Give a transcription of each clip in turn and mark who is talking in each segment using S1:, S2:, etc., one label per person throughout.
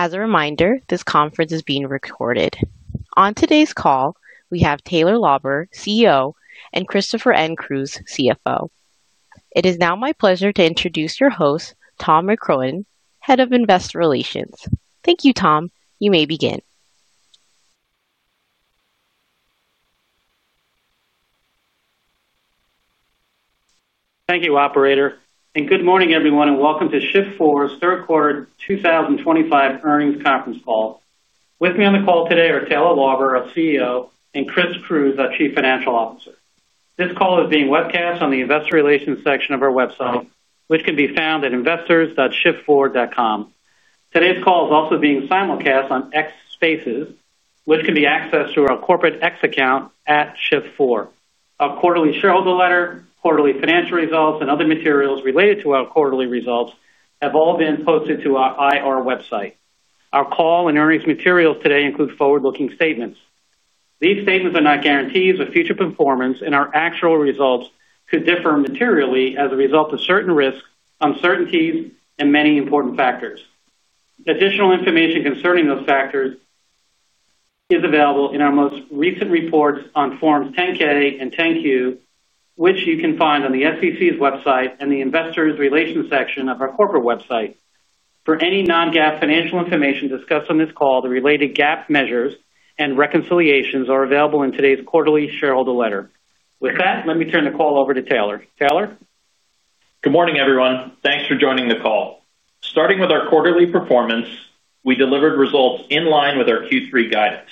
S1: As a reminder, this conference is being recorded. On today's call, we have Taylor Lauber, CEO, and Christopher N. Cruz, CFO. It is now my pleasure to introduce your host, Tom McCrohan, Head of Investor Relations. Thank you, Tom. You may begin.
S2: Thank you, Operator. Good morning, everyone, and welcome to Shift4's third quarter 2025 earnings conference call. With me on the call today are Taylor Lauber, our CEO, and Chris Cruz, our Chief Financial Officer. This call is being webcast on the Investor Relations section of our website, which can be found at investors.shift4.com. Today's call is also being simulcast on X Spaces, which can be accessed through our corporate X account at Shift4. Our quarterly shareholder letter, quarterly financial results, and other materials related to our quarterly results have all been posted to our IR website. Our call and earnings materials today include forward-looking statements. These statements are not guarantees of future performance, and our actual results could differ materially as a result of certain risks, uncertainties, and many important factors. Additional information concerning those factors. Is available in our most recent reports on Forms 10-K and 10-Q, which you can find on the SEC's website and the Investor Relations section of our corporate website. For any Non-GAAP financial information discussed on this call, the related GAAP measures and reconciliations are available in today's quarterly shareholder letter. With that, let me turn the call over to Taylor. Taylor?
S3: Good morning, everyone. Thanks for joining the call. Starting with our quarterly performance, we delivered results in line with our Q3 guidance.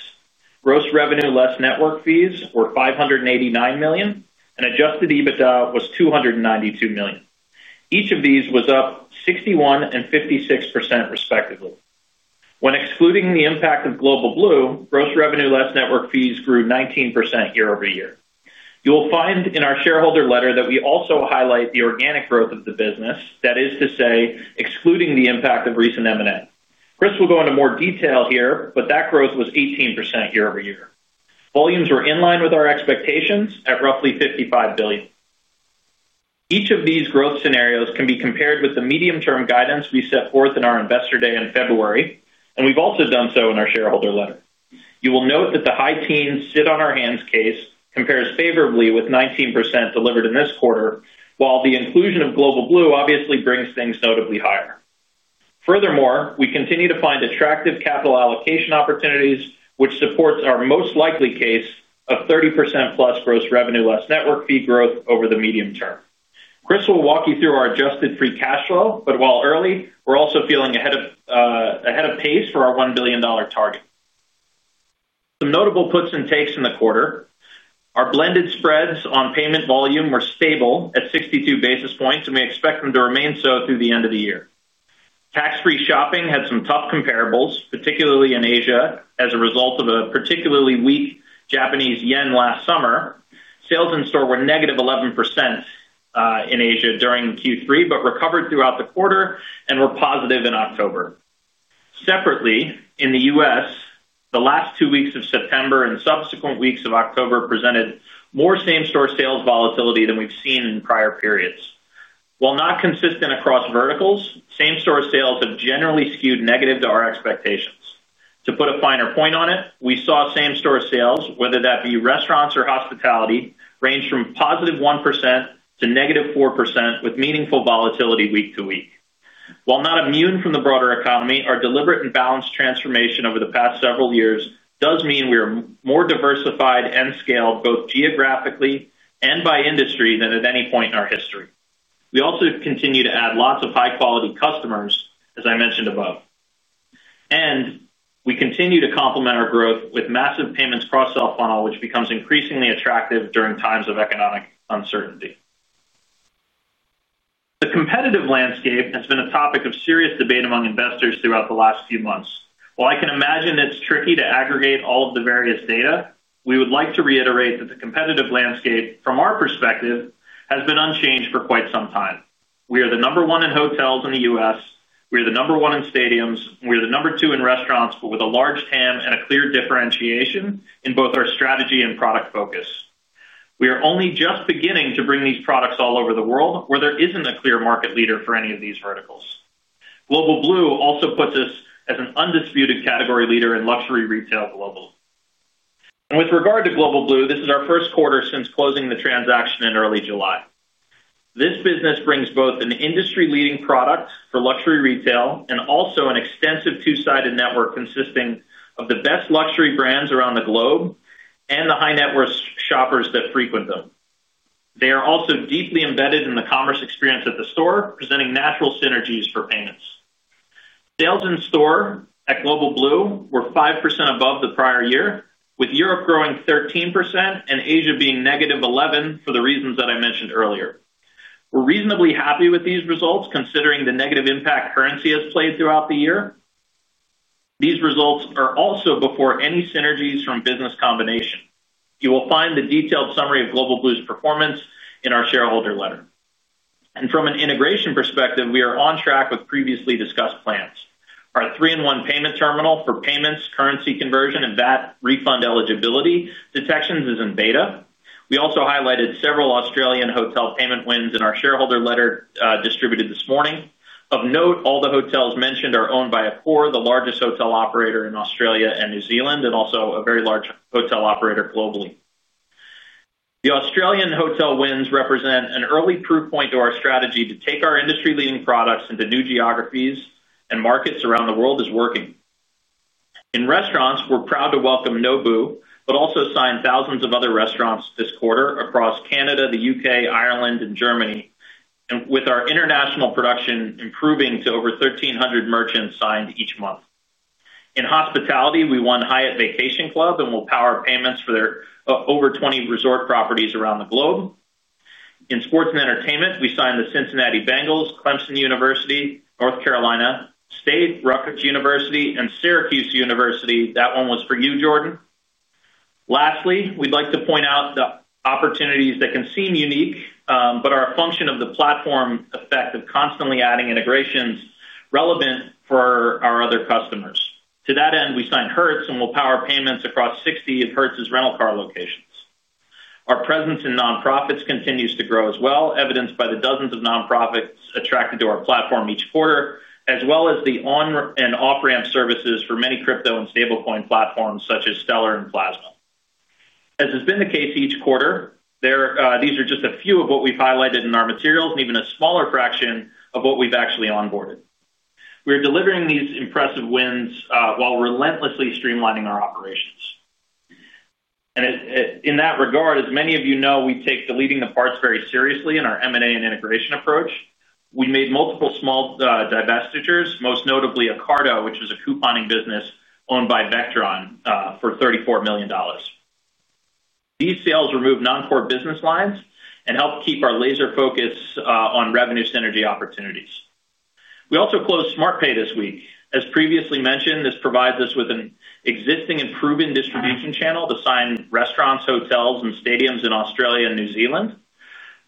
S3: Gross revenue less network fees were $589 million, and Adjusted EBITDA was $292 million. Each of these was up 61% and 56%, respectively. When excluding the impact of Global Blue, gross revenue less network fees grew 19% year-over-year. You'll find in our shareholder letter that we also highlight the organic growth of the business, that is to say, excluding the impact of recent M&A. Chris will go into more detail here, but that growth was 18% year-over-year. Volumes were in line with our expectations at roughly $55 billion. Each of these growth scenarios can be compared with the medium-term guidance we set forth in our Investor Day in February, and we've also done so in our shareholder letter. You will note that the high teens sit on our hands case compares favorably with 19% delivered in this quarter, while the inclusion of Global Blue obviously brings things notably higher. Furthermore, we continue to find attractive capital allocation opportunities, which supports our most likely case of 30%+ gross revenue less network fee growth over the medium term. Chris will walk you through our adjusted free cash flow, but while early, we are also feeling ahead of pace for our $1 billion target. Some notable puts and takes in the quarter. Our blended spreads on payment volume were stable at 62 basis points, and we expect them to remain so through the end of the year. Tax-free shopping had some tough comparables, particularly in Asia, as a result of a particularly weak Japanese yen last summer. Sales in store were -11%. In Asia during Q3, but recovered throughout the quarter and were positive in October. Separately, in the U.S., the last two weeks of September and subsequent weeks of October presented more same-store sales volatility than we've seen in prior periods. While not consistent across verticals, same-store sales have generally skewed negative to our expectations. To put a finer point on it, we saw same-store sales, whether that be restaurants or hospitality, range from +1% to -4% with meaningful volatility week to week. While not immune from the broader economy, our deliberate and balanced transformation over the past several years does mean we are more diversified and scaled both geographically and by industry than at any point in our history. We also continue to add lots of high-quality customers, as I mentioned above. We continue to complement our growth with a massive payments cross-sell funnel, which becomes increasingly attractive during times of economic uncertainty. The competitive landscape has been a topic of serious debate among investors throughout the last few months. While I can imagine it's tricky to aggregate all of the various data, we would like to reiterate that the competitive landscape, from our perspective, has been unchanged for quite some time. We are the number one in hotels in the U.S. We are the number one in stadiums. We are the number two in restaurants, but with a large TAM and a clear differentiation in both our strategy and product focus. We are only just beginning to bring these products all over the world where there isn't a clear market leader for any of these verticals. Global Blue also puts us as an undisputed category leader in luxury retail globally. With regard to Global Blue, this is our first quarter since closing the transaction in early July. This business brings both an industry-leading product for luxury retail and also an extensive two-sided network consisting of the best luxury brands around the globe and the high-net-worth shoppers that frequent them. They are also deeply embedded in the commerce experience at the store, presenting natural synergies for payments. Sales in store at Global Blue were 5% above the prior year, with Europe growing 13% and Asia being -11% for the reasons that I mentioned earlier. We are reasonably happy with these results considering the negative impact currency has played throughout the year. These results are also before any synergies from business combination. You will find the detailed summary of Global Blue's performance in our shareholder letter. From an integration perspective, we are on track with previously discussed plans. Our three-in-one payment terminal for payments, currency conversion, and VAT refund eligibility detections is in beta. We also highlighted several Australian hotel payment wins in our shareholder letter distributed this morning. Of note, all the hotels mentioned are owned by ACOR, the largest hotel operator in Australia and New Zealand, and also a very large hotel operator globally. The Australian hotel wins represent an early proof point to our strategy to take our industry-leading products into new geographies and markets around the world as working. In restaurants, we're proud to welcome Nobu, but also signed thousands of other restaurants this quarter across Canada, the U.K., Ireland, and Germany, with our international production improving to over 1,300 merchants signed each month. In hospitality, we won Hyatt Vacation Club and will power payments for their over 20 resort properties around the globe. In sports and entertainment, we signed the Cincinnati Bengals, Clemson University, North Carolina State, Rutgers University, and Syracuse University. That one was for you, Jordan. Lastly, we'd like to point out the opportunities that can seem unique, but are a function of the platform effect of constantly adding integrations relevant for our other customers. To that end, we signed Hertz and will power payments across 60 of Hertz's rental car locations. Our presence in nonprofits continues to grow as well, evidenced by the dozens of nonprofits attracted to our platform each quarter, as well as the on- and off-ramp services for many crypto and stablecoin platforms such as Stellar and Plasma. As has been the case each quarter, these are just a few of what we've highlighted in our materials and even a smaller fraction of what we've actually onboarded. We are delivering these impressive wins while relentlessly streamlining our operations. In that regard, as many of you know, we take deleting the parts very seriously in our M&A and integration approach. We made multiple small divestitures, most notably CARDO, which was a couponing business owned by Vectron for $34 million. These sales removed non-core business lines and helped keep our laser focus on revenue synergy opportunities. We also closed SmartPay this week. As previously mentioned, this provides us with an existing and proven distribution channel to sign restaurants, hotels, and stadiums in Australia and New Zealand.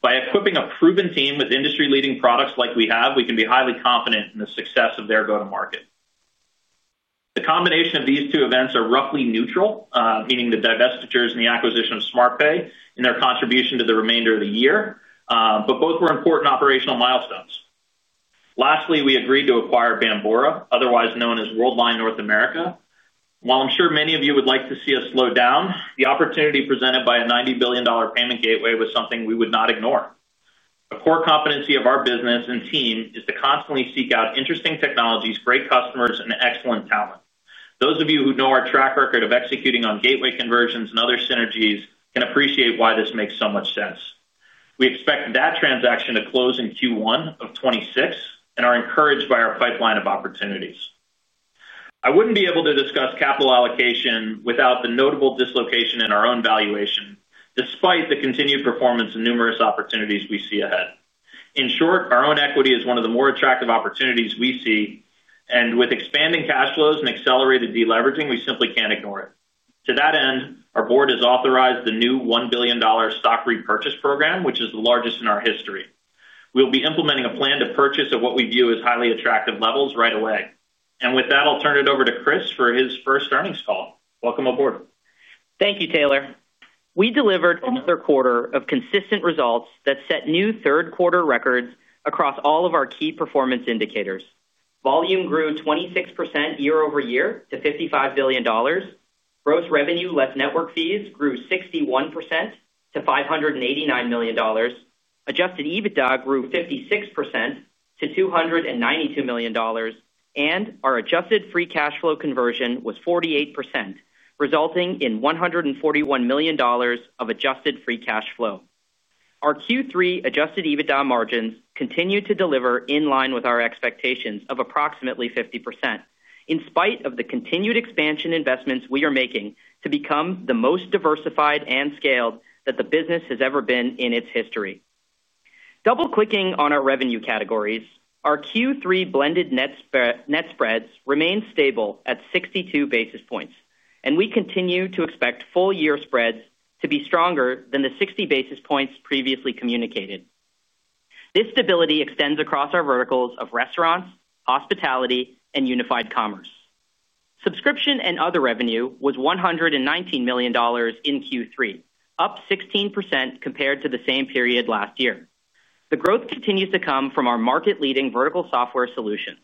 S3: By equipping a proven team with industry-leading products like we have, we can be highly confident in the success of their go-to-market. The combination of these two events are roughly neutral, meaning the divestitures and the acquisition of SmartPay in their contribution to the remainder of the year, but both were important operational milestones. Lastly, we agreed to acquire Bambora, otherwise known as Worldline North America. While I'm sure many of you would like to see us slow down, the opportunity presented by a $90 billion payment gateway was something we would not ignore. A core competency of our business and team is to constantly seek out interesting technologies, great customers, and excellent talent. Those of you who know our track record of executing on gateway conversions and other synergies can appreciate why this makes so much sense. We expect that transaction to close in Q1 of 2026 and are encouraged by our pipeline of opportunities. I wouldn't be able to discuss capital allocation without the notable dislocation in our own valuation, despite the continued performance and numerous opportunities we see ahead. In short, our own equity is one of the more attractive opportunities we see, and with expanding cash flows and accelerated deleveraging, we simply can't ignore it. To that end, our board has authorized the new $1 billion stock repurchase program, which is the largest in our history. We will be implementing a plan to purchase at what we view as highly attractive levels right away. With that, I'll turn it over to Chris for his first earnings call. Welcome aboard.
S4: Thank you, Taylor. We delivered another quarter of consistent results that set new third-quarter records across all of our key performance indicators. Volume grew 26% year-over-year to $55 billion. Gross revenue less network fees grew 61% to $589 million. Adjusted EBITDA grew 56% to $292 million, and our adjusted free cash flow conversion was 48%, resulting in $141 million of adjusted free cash flow. Our Q3 Adjusted EBITDA margins continue to deliver in line with our expectations of approximately 50%, in spite of the continued expansion investments we are making to become the most diversified and scaled that the business has ever been in its history. Double-clicking on our revenue categories, our Q3 blended net spreads remain stable at 62 basis points, and we continue to expect full-year spreads to be stronger than the 60 basis points previously communicated. This stability extends across our verticals of restaurants, hospitality, and unified commerce. Subscription and other revenue was $119 million in Q3, up 16% compared to the same period last year. The growth continues to come from our market-leading vertical software solutions.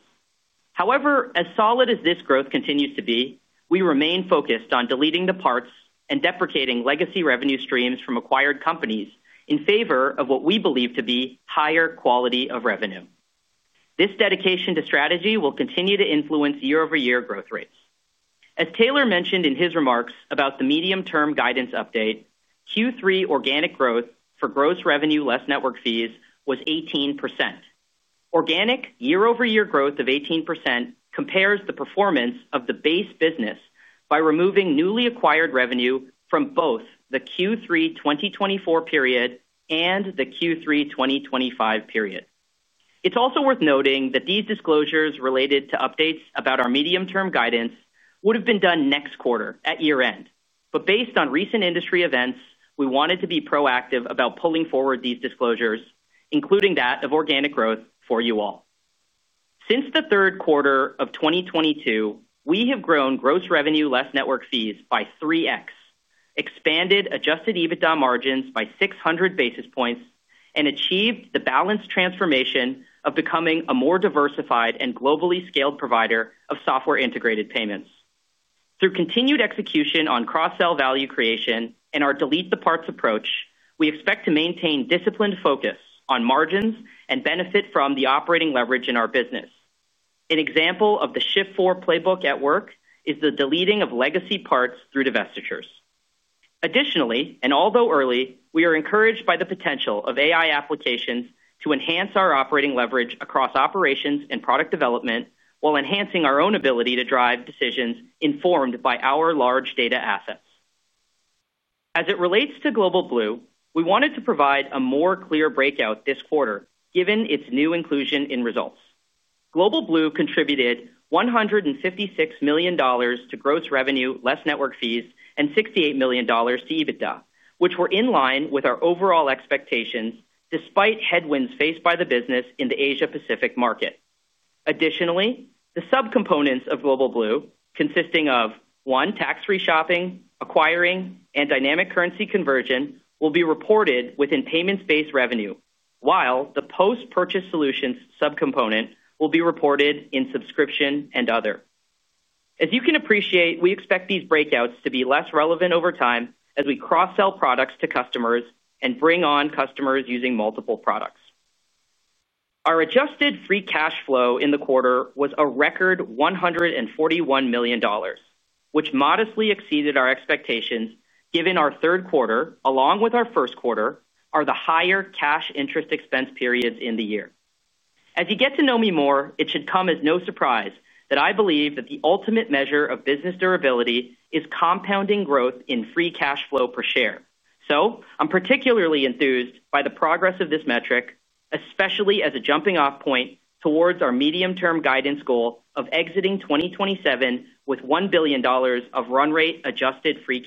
S4: However, as solid as this growth continues to be, we remain focused on deleting the parts and deprecating legacy revenue streams from acquired companies in favor of what we believe to be higher quality of revenue. This dedication to strategy will continue to influence year-over-year growth rates. As Taylor mentioned in his remarks about the medium-term guidance update, Q3 organic growth for gross revenue less network fees was 18%. Organic year-over-year growth of 18% compares the performance of the base business by removing newly acquired revenue from both the Q3 2024 period and the Q3 2025 period. It's also worth noting that these disclosures related to updates about our medium-term guidance would have been done next quarter at year-end, but based on recent industry events, we wanted to be proactive about pulling forward these disclosures, including that of organic growth for you all. Since the third quarter of 2022, we have grown gross revenue less network fees by 3x, expanded Adjusted EBITDA margins by 600 basis points, and achieved the balanced transformation of becoming a more diversified and globally scaled provider of software-integrated payments. Through continued execution on cross-sell value creation and our delete-the-parts approach, we expect to maintain disciplined focus on margins and benefit from the operating leverage in our business. An example of the Shift4 playbook at work is the deleting of legacy parts through divestitures. Additionally, and although early, we are encouraged by the potential of AI applications to enhance our operating leverage across operations and product development while enhancing our own ability to drive decisions informed by our large data assets. As it relates to Global Blue, we wanted to provide a more clear breakout this quarter given its new inclusion in results. Global Blue contributed $156 million to gross revenue less network fees and $68 million to EBITDA, which were in line with our overall expectations despite headwinds faced by the business in the Asia-Pacific market. Additionally, the subcomponents of Global Blue, consisting of, one, tax-free shopping, acquiring, and dynamic currency conversion, will be reported within payments-based revenue, while the post-purchase solutions subcomponent will be reported in subscription and other. As you can appreciate, we expect these breakouts to be less relevant over time as we cross-sell products to customers and bring on customers using multiple products. Our adjusted free cash flow in the quarter was a record $141 million, which modestly exceeded our expectations given our third quarter, along with our first quarter, are the higher cash interest expense periods in the year. As you get to know me more, it should come as no surprise that I believe that the ultimate measure of business durability is compounding growth in free cash flow per share. I am particularly enthused by the progress of this metric, especially as a jumping-off point towards our medium-term guidance goal of exiting 2027 with $1 billion of run-rate adjusted free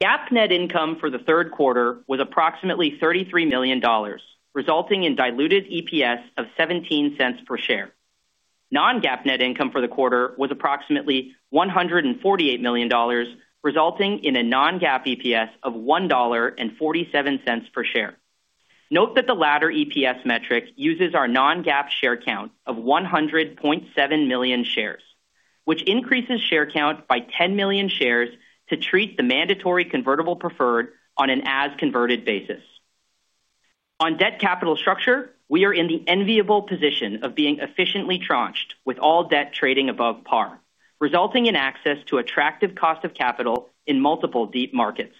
S4: cash flow. GAAP net income for the third quarter was approximately $33 million, resulting in diluted EPS of $0.17 per share. Non-GAAP net income for the quarter was approximately $148 million, resulting in a Non-GAAP EPS of $1.47 per share. Note that the latter EPS metric uses our Non-GAAP share count of 100.7 million shares, which increases share count by 10 million shares to treat the mandatory convertible preferred on an as-converted basis. On debt capital structure, we are in the enviable position of being efficiently tranched with all debt trading above par, resulting in access to attractive cost of capital in multiple deep markets.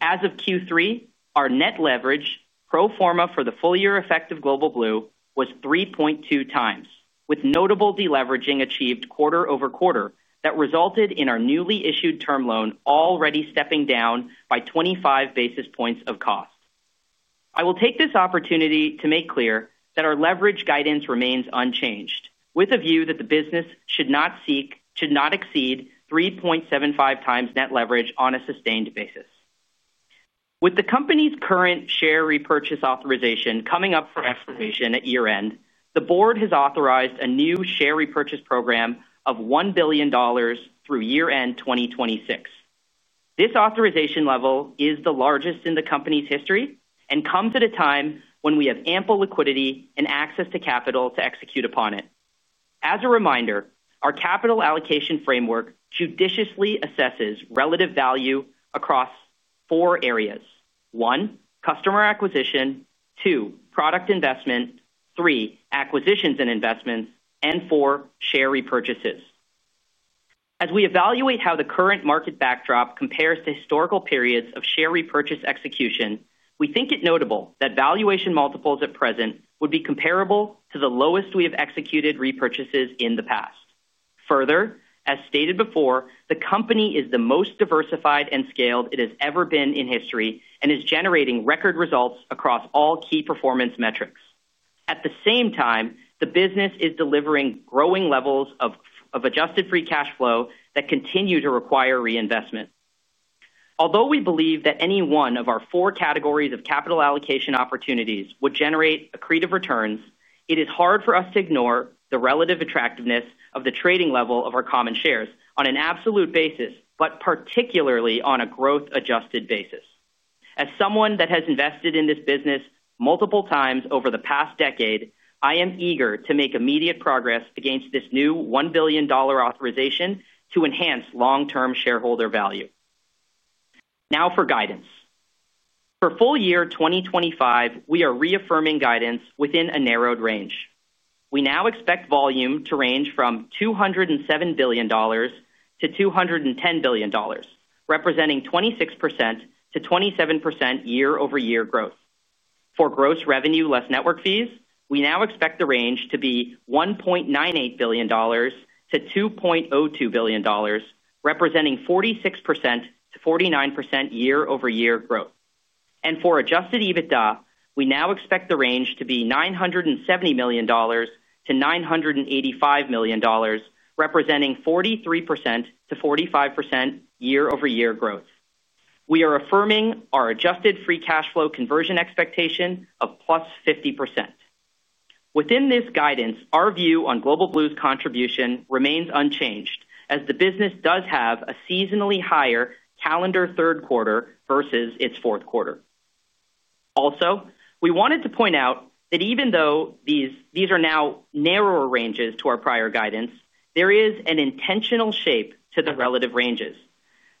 S4: As of Q3, our net leverage, pro forma for the full-year effect of Global Blue, was 3.2 times, with notable deleveraging achieved quarter-over-quarter that resulted in our newly issued term loan already stepping down by 25 basis points of cost. I will take this opportunity to make clear that our leverage guidance remains unchanged, with a view that the business should not exceed 3.75 times net leverage on a sustained basis. With the company's current share repurchase authorization coming up for expiration at year-end, the board has authorized a new share repurchase program of $1 billion through year-end 2026. This authorization level is the largest in the company's history and comes at a time when we have ample liquidity and access to capital to execute upon it. As a reminder, our capital allocation framework judiciously assesses relative value across four areas: one, customer acquisition; two, product investment; three, acquisitions and investments; and four, share repurchases. As we evaluate how the current market backdrop compares to historical periods of share repurchase execution, we think it notable that valuation multiples at present would be comparable to the lowest we have executed repurchases in the past. Further, as stated before, the company is the most diversified and scaled it has ever been in history and is generating record results across all key performance metrics. At the same time, the business is delivering growing levels of adjusted free cash flow that continue to require reinvestment. Although we believe that any one of our four categories of capital allocation opportunities would generate accretive returns, it is hard for us to ignore the relative attractiveness of the trading level of our common shares on an absolute basis, but particularly on a growth-adjusted basis. As someone that has invested in this business multiple times over the past decade, I am eager to make immediate progress against this new $1 billion authorization to enhance long-term shareholder value. Now for guidance. For full-year 2025, we are reaffirming guidance within a narrowed range. We now expect volume to range from $207 billion-$210 billion, representing 26%-27% year-over-year growth. For gross revenue less network fees, we now expect the range to be $1.98 billion-$2.02 billion, representing 46%-49% year-over-year growth. For Adjusted EBITDA, we now expect the range to be $970 million-$985 million, representing 43%-45% year-over-year growth. We are affirming our adjusted free cash flow conversion expectation of +50%. Within this guidance, our view on Global Blue's contribution remains unchanged, as the business does have a seasonally higher calendar third quarter versus its fourth quarter. Also, we wanted to point out that even though these are now narrower ranges to our prior guidance, there is an intentional shape to the relative ranges.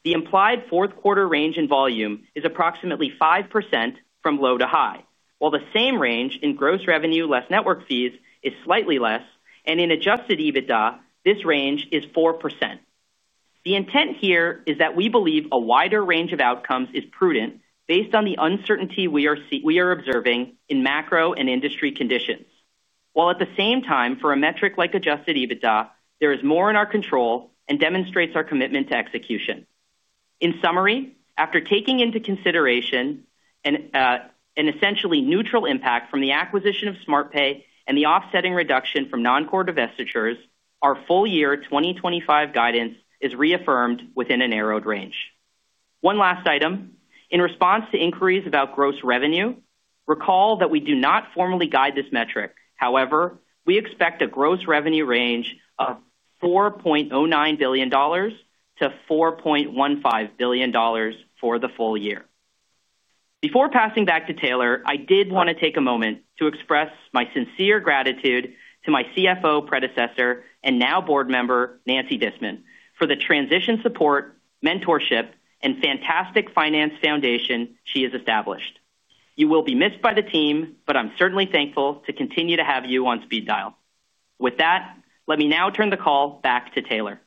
S4: The implied fourth quarter range in volume is approximately 5% from low to high, while the same range in gross revenue less network fees is slightly less, and in Adjusted EBITDA, this range is 4%. The intent here is that we believe a wider range of outcomes is prudent based on the uncertainty we are observing in macro and industry conditions, while at the same time, for a metric like Adjusted EBITDA, there is more in our control and demonstrates our commitment to execution. In summary, after taking into consideration an essentially neutral impact from the acquisition of SmartPay and the offsetting reduction from non-core divestitures, our full-year 2025 guidance is reaffirmed within a narrowed range. One last item. In response to inquiries about gross revenue, recall that we do not formally guide this metric. However, we expect a gross revenue range of $4.09 billion-$4.15 billion for the full year. Before passing back to Taylor, I did want to take a moment to express my sincere gratitude to my CFO predecessor and now board member, Nancy Disman, for the transition support, mentorship, and fantastic finance foundation she has established. You will be missed by the team, but I'm certainly thankful to continue to have you on speed dial. With that, let me now turn the call back to Taylor.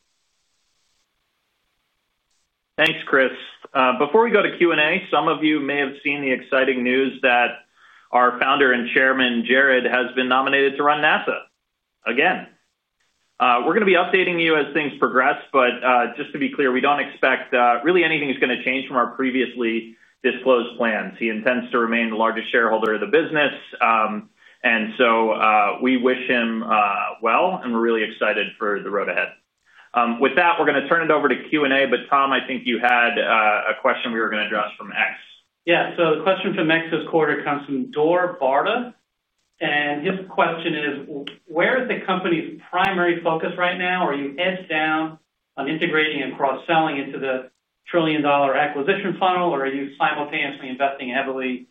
S3: Thanks, Chris. Before we go to Q&A, some of you may have seen the exciting news that our founder and chairman, Jared, has been nominated to run NASA again. We're going to be updating you as things progress, but just to be clear, we don't expect really anything is going to change from our previously disclosed plans. He intends to remain the largest shareholder of the business. We wish him well, and we're really excited for the road ahead. With that, we're going to turn it over to Q&A, but Tom, I think you had a question we were going to address from X.
S2: Yeah. The question from X's quarter comes from Dor Barber. His question is, where is the company's primary focus right now? Are you edged down on integrating and cross-selling into the trillion-dollar acquisition funnel, or are you simultaneously investing heavily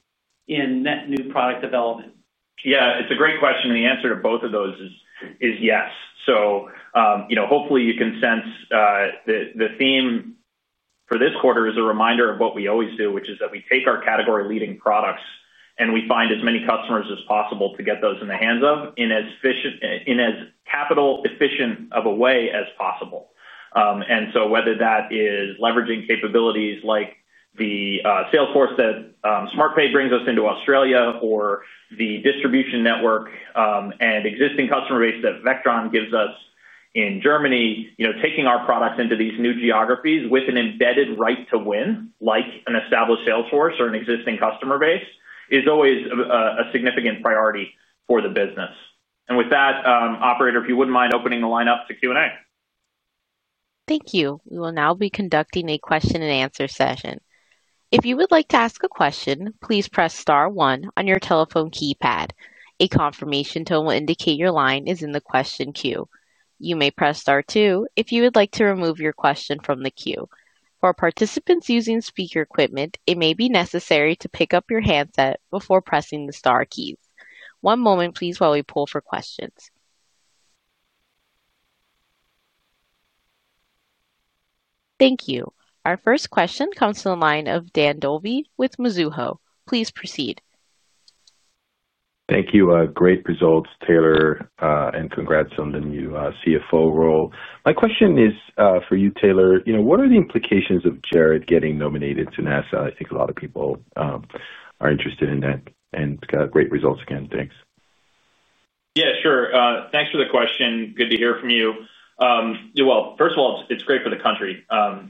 S2: in net new product development?
S3: Yeah. It's a great question. The answer to both of those is yes. Hopefully, you can sense that the theme for this quarter is a reminder of what we always do, which is that we take our category-leading products and we find as many customers as possible to get those in the hands of in as capital-efficient of a way as possible. Whether that is leveraging capabilities like the Salesforce that SmartPay brings us into Australia, or the distribution network and existing customer base that Vectron gives us in Germany, taking our products into these new geographies with an embedded right to win, like an established Salesforce or an existing customer base, is always a significant priority for the business. With that, operator, if you would not mind opening the line up to Q&A.
S1: Thank you. We will now be conducting a question-and-answer session. If you would like to ask a question, please press star one on your telephone keypad. A confirmation tone will indicate your line is in the question queue. You may press star two if you would like to remove your question from the queue. For participants using speaker equipment, it may be necessary to pick up your handset before pressing the Star keys. One moment, please, while we pull for questions. Thank you. Our first question comes from the line of Dan Dolev with Mizuho. Please proceed.
S5: Thank you. Great results, Taylor, and congrats on the new CFO role. My question is for you, Taylor. What are the implications of Jared getting nominated to NASA? I think a lot of people are interested in that and got great results again. Thanks.
S3: Yeah, sure. Thanks for the question. Good to hear from you. First of all, it's great for the country. The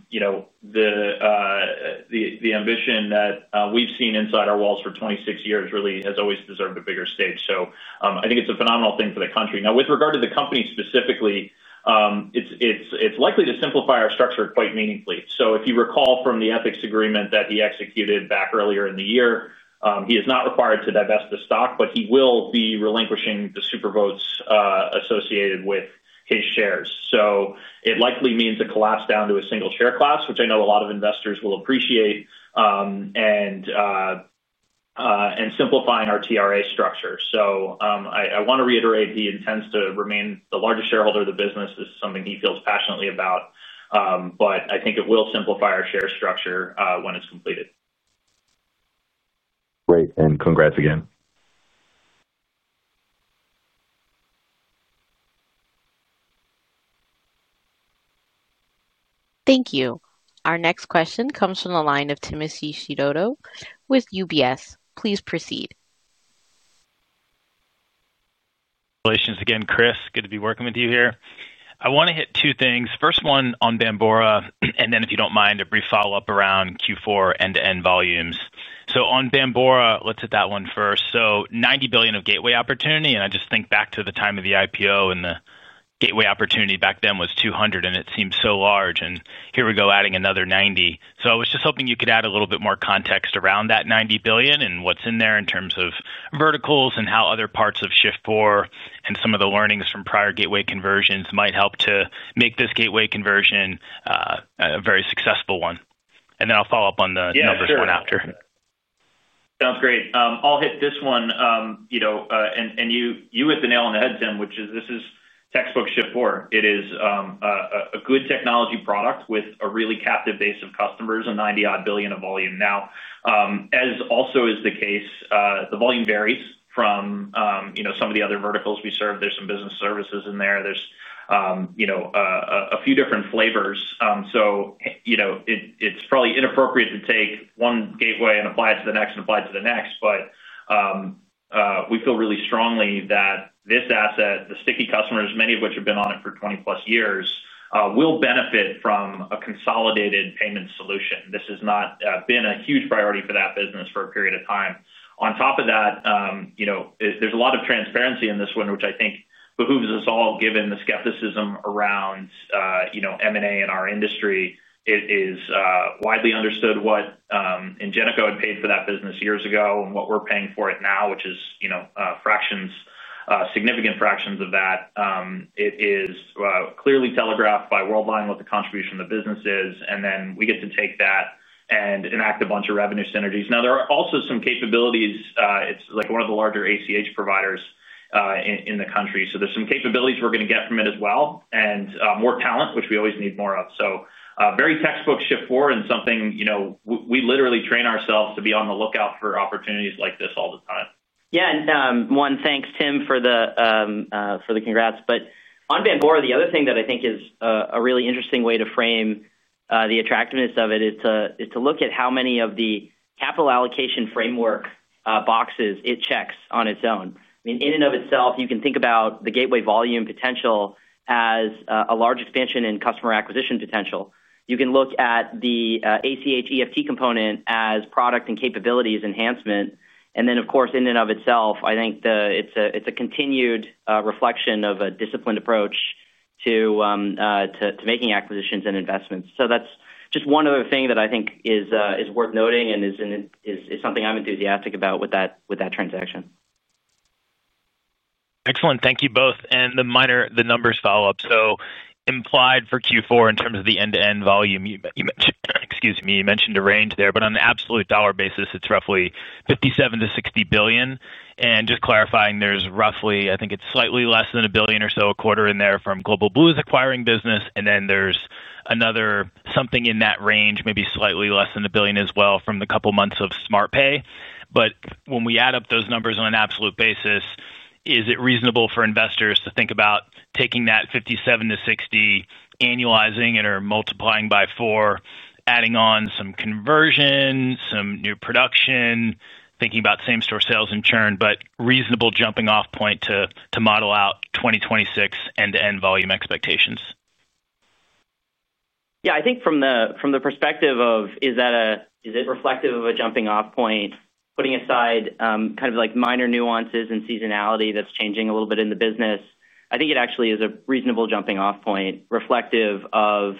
S3: ambition that we've seen inside our walls for 26 years really has always deserved a bigger stage. I think it's a phenomenal thing for the country. Now, with regard to the company specifically, it's likely to simplify our structure quite meaningfully. If you recall from the ethics agreement that he executed back earlier in the year, he is not required to divest the stock, but he will be relinquishing the super votes associated with his shares. It likely means a collapse down to a single share class, which I know a lot of investors will appreciate. Simplifying our TRA structure. I want to reiterate he intends to remain the largest shareholder of the business. This is something he feels passionately about. I think it will simplify our share structure when it's completed.
S5: Great. And congrats again.
S1: Thank you. Our next question comes from the line of Timothy Chiodo with UBS. Please proceed.
S6: Relations again, Chris. Good to be working with you here. I want to hit two things. First one on Bambora, and then if you do not mind, a brief follow-up around Q4 end-to-end volumes. On Bambora, let us hit that one first. $90 billion of gateway opportunity. I just think back to the time of the IPO, and the gateway opportunity back then was $200 billion, and it seemed so large. Here we go, adding another $90 billion. I was just hoping you could add a little bit more context around that $90 billion and what is in there in terms of verticals and how other parts of Shift4 and some of the learnings from prior gateway conversions might help to make this gateway conversion a very successful one. I will follow up on the numbers one after.
S3: Sounds great. I'll hit this one. You hit the nail on the head, Tim, which is this is textbook Shift4. It is a good technology product with a really captive base of customers and $90-odd billion of volume. Now, as also is the case, the volume varies from some of the other verticals we serve. There are some business services in there. There are a few different flavors. It is probably inappropriate to take one gateway and apply it to the next and apply it to the next, but we feel really strongly that this asset, the sticky customers, many of which have been on it for 20+ years, will benefit from a consolidated payment solution. This has not been a huge priority for that business for a period of time. On top of that. There's a lot of transparency in this one, which I think behooves us all, given the skepticism around M&A in our industry. It is widely understood what Ingenico had paid for that business years ago and what we're paying for it now, which is significant fractions of that. It is clearly telegraphed by Worldline what the contribution of the business is. Then we get to take that and enact a bunch of revenue synergies. Now, there are also some capabilities. It's like one of the larger ACH providers in the country. So there's some capabilities we're going to get from it as well and more talent, which we always need more of. Very textbook Shift4 and something we literally train ourselves to be on the lookout for, opportunities like this all the time.
S4: Yeah. One, thanks, Tim, for the congrats. On Bambora, the other thing that I think is a really interesting way to frame the attractiveness of it is to look at how many of the capital allocation framework boxes it checks on its own. I mean, in and of itself, you can think about the gateway volume potential as a large expansion in customer acquisition potential. You can look at the ACH EFT component as product and capabilities enhancement. Of course, in and of itself, I think it is a continued reflection of a disciplined approach to making acquisitions and investments. That is just one other thing that I think is worth noting and is something I am enthusiastic about with that transaction.
S6: Excellent. Thank you both. The minor, the numbers follow-up. Implied for Q4 in terms of the end-to-end volume, excuse me, you mentioned a range there, but on an absolute dollar basis, it is roughly $57 billion-$60 billion. Just clarifying, there is roughly, I think it is slightly less than $1 billion or so a quarter in there from Global Blue's acquiring business. Then there is another something in that range, maybe slightly less than $1 billion as well from the couple of months of SmartPay. When we add up those numbers on an absolute basis, is it reasonable for investors to think about taking that $57 billion-$60 billion, annualizing it or multiplying by four, adding on some conversion, some new production, thinking about same-store sales and churn, but reasonable jumping-off point to model out 2026 end-to-end volume expectations?
S4: Yeah. I think from the perspective of, is it reflective of a jumping-off point, putting aside kind of minor nuances and seasonality that's changing a little bit in the business, I think it actually is a reasonable jumping-off point reflective of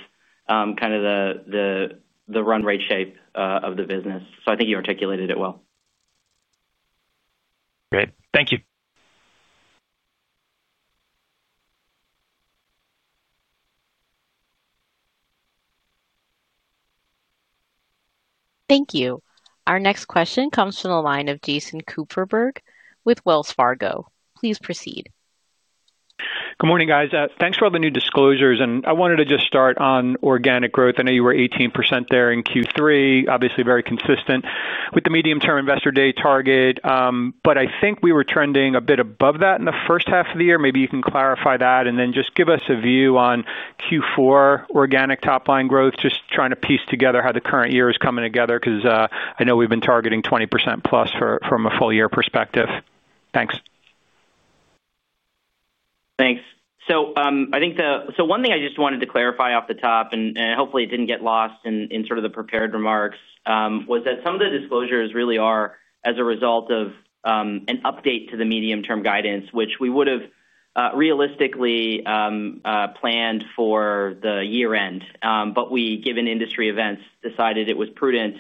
S4: the run rate shape of the business. I think you articulated it well.
S6: Great. Thank you.
S1: Thank you. Our next question comes from the line of Jason Kupferberg with Wells Fargo. Please proceed.
S7: Good morning, guys. Thanks for all the new disclosures. I wanted to just start on organic growth. I know you were 18% there in Q3, obviously very consistent with the medium-term investor day target. I think we were trending a bit above that in the first half of the year. Maybe you can clarify that and then just give us a view on Q4 organic top-line growth, just trying to piece together how the current year is coming together because I know we have been targeting 20%+ from a full-year perspective. Thanks.
S4: Thanks. I think one thing I just wanted to clarify off the top, and hopefully it did not get lost in sort of the prepared remarks, was that some of the disclosures really are as a result of an update to the medium-term guidance, which we would have realistically planned for the year-end. We, given industry events, decided it was prudent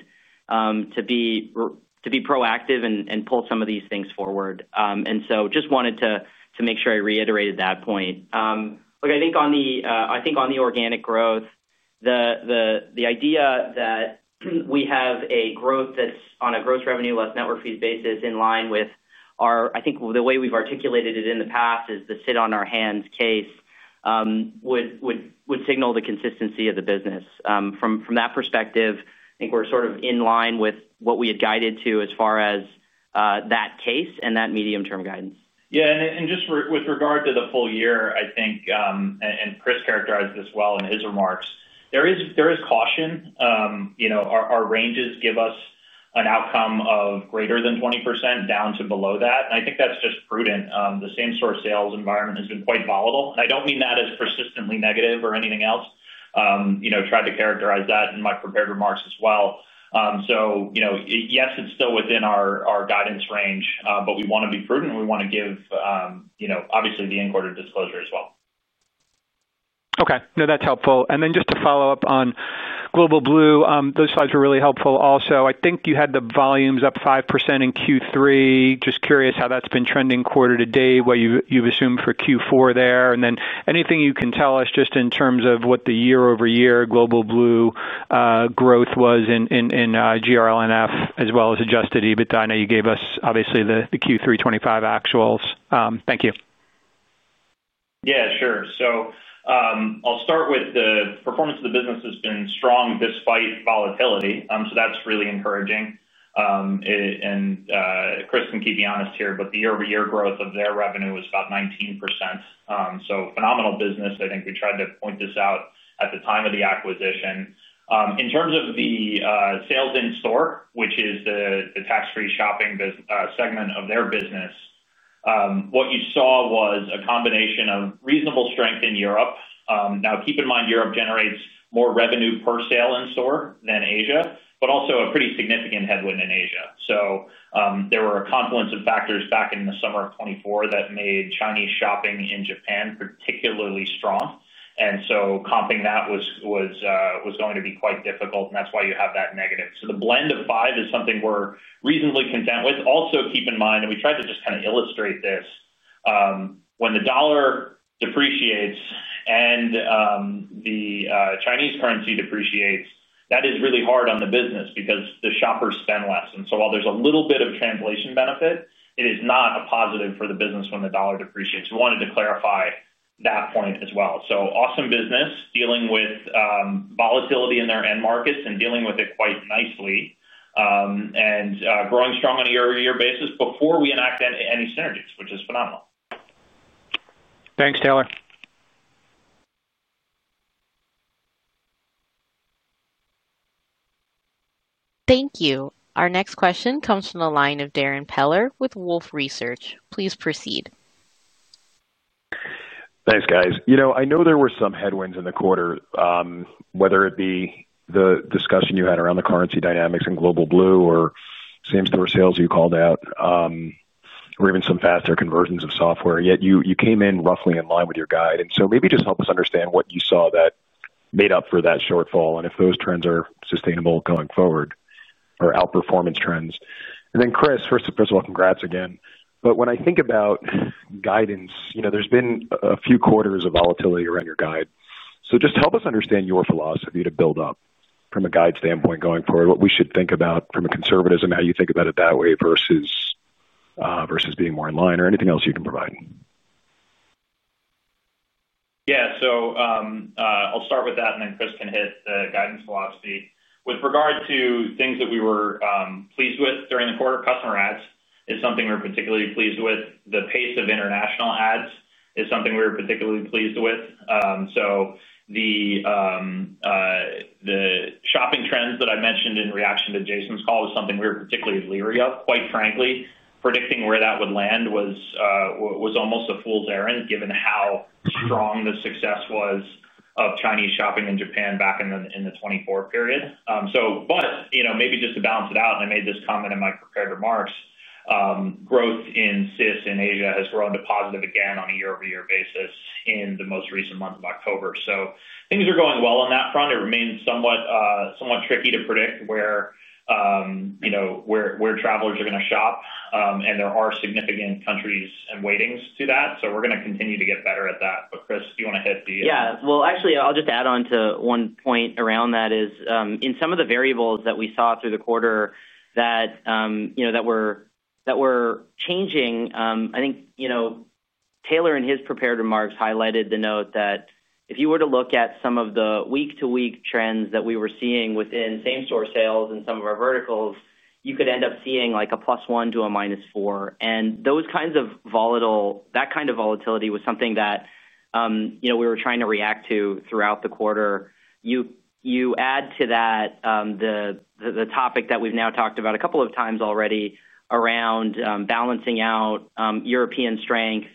S4: to be proactive and pull some of these things forward. I just wanted to make sure I reiterated that point. Look, I think on the organic growth, the idea that we have a growth that is on a gross revenue-plus network fees basis in line with our, I think the way we have articulated it in the past is the sit-on-our-hands case, would signal the consistency of the business. From that perspective, I think we are sort of in line with what we had guided to as far as. That case and that medium-term guidance.
S3: Yeah. Just with regard to the full year, I think Chris characterized this well in his remarks, there is caution. Our ranges give us an outcome of greater than 20% down to below that. I think that is just prudent. The same-store sales environment has been quite volatile. I do not mean that as persistently negative or anything else. Tried to characterize that in my prepared remarks as well. Yes, it is still within our guidance range, but we want to be prudent. We want to give, obviously, the inquiry disclosure as well.
S7: Okay. No, that's helpful. Just to follow up on Global Blue, those slides were really helpful also. I think you had the volumes up 5% in Q3. Just curious how that's been trending quarter to date, what you've assumed for Q4 there. Anything you can tell us just in terms of what the year-over-year Global Blue growth was in GRLNF as well as Adjusted EBITDA. I know you gave us, obviously, the Q3 2025 actuals. Thank you.
S3: Yeah, sure. I'll start with the performance of the business has been strong despite volatility. That's really encouraging. Chris can keep me honest here, but the year-over-year growth of their revenue was about 19%. Phenomenal business. I think we tried to point this out at the time of the acquisition. In terms of the sales in-store, which is the tax-free shopping segment of their business, what you saw was a combination of reasonable strength in Europe. Now, keep in mind, Europe generates more revenue per sale in-store than Asia, but also a pretty significant headwind in Asia. There were a confluence of factors back in the summer of 2024 that made Chinese shopping in Japan particularly strong. Comping that was going to be quite difficult. That's why you have that negative. The blend of five is something we're reasonably content with. Also, keep in mind, and we tried to just kind of illustrate this, when the dollar depreciates and the Chinese currency depreciates, that is really hard on the business because the shoppers spend less. While there is a little bit of translation benefit, it is not a positive for the business when the dollar depreciates. We wanted to clarify that point as well. Awesome business, dealing with volatility in their end markets and dealing with it quite nicely. Growing strong on a year-over-year basis before we enact any synergies, which is phenomenal.
S7: Thanks, Taylor.
S1: Thank you. Our next question comes from the line of Darrin Peller with Wolfe Research. Please proceed.
S8: Thanks, guys. I know there were some headwinds in the quarter, whether it be the discussion you had around the currency dynamics in Global Blue or same-store sales you called out, or even some faster conversions of software. Yet you came in roughly in line with your guide. Maybe just help us understand what you saw that made up for that shortfall and if those trends are sustainable going forward or outperformance trends. Chris, first of all, congrats again. When I think about guidance, there's been a few quarters of volatility around your guide. Just help us understand your philosophy to build up from a guide standpoint going forward, what we should think about from a conservatism, how you think about it that way versus being more in line, or anything else you can provide.
S3: Yeah. I'll start with that, and then Chris can hit the guidance philosophy. With regard to things that we were pleased with during the quarter, customer ads is something we were particularly pleased with. The pace of international ads is something we were particularly pleased with. The shopping trends that I mentioned in reaction to Jason's call was something we were particularly leery of. Quite frankly, predicting where that would land was almost a fool's errand given how strong the success was of Chinese shopping in Japan back in the 2024 period. Maybe just to balance it out, and I made this comment in my prepared remarks. Growth in CIS in Asia has grown to positive again on a year-over-year basis in the most recent month of October. Things are going well on that front. It remains somewhat tricky to predict where. Travelers are going to shop, and there are significant countries and weightings to that. We're going to continue to get better at that. Chris, do you want to hit the?
S4: Yeah. Actually, I'll just add on to one point around that. In some of the variables that we saw through the quarter that were changing, I think Taylor in his prepared remarks highlighted the note that if you were to look at some of the week-to-week trends that we were seeing within same-store sales in some of our verticals, you could end up seeing like a +1 to a -4. That kind of volatility was something that we were trying to react to throughout the quarter. You add to that the topic that we've now talked about a couple of times already around balancing out European strength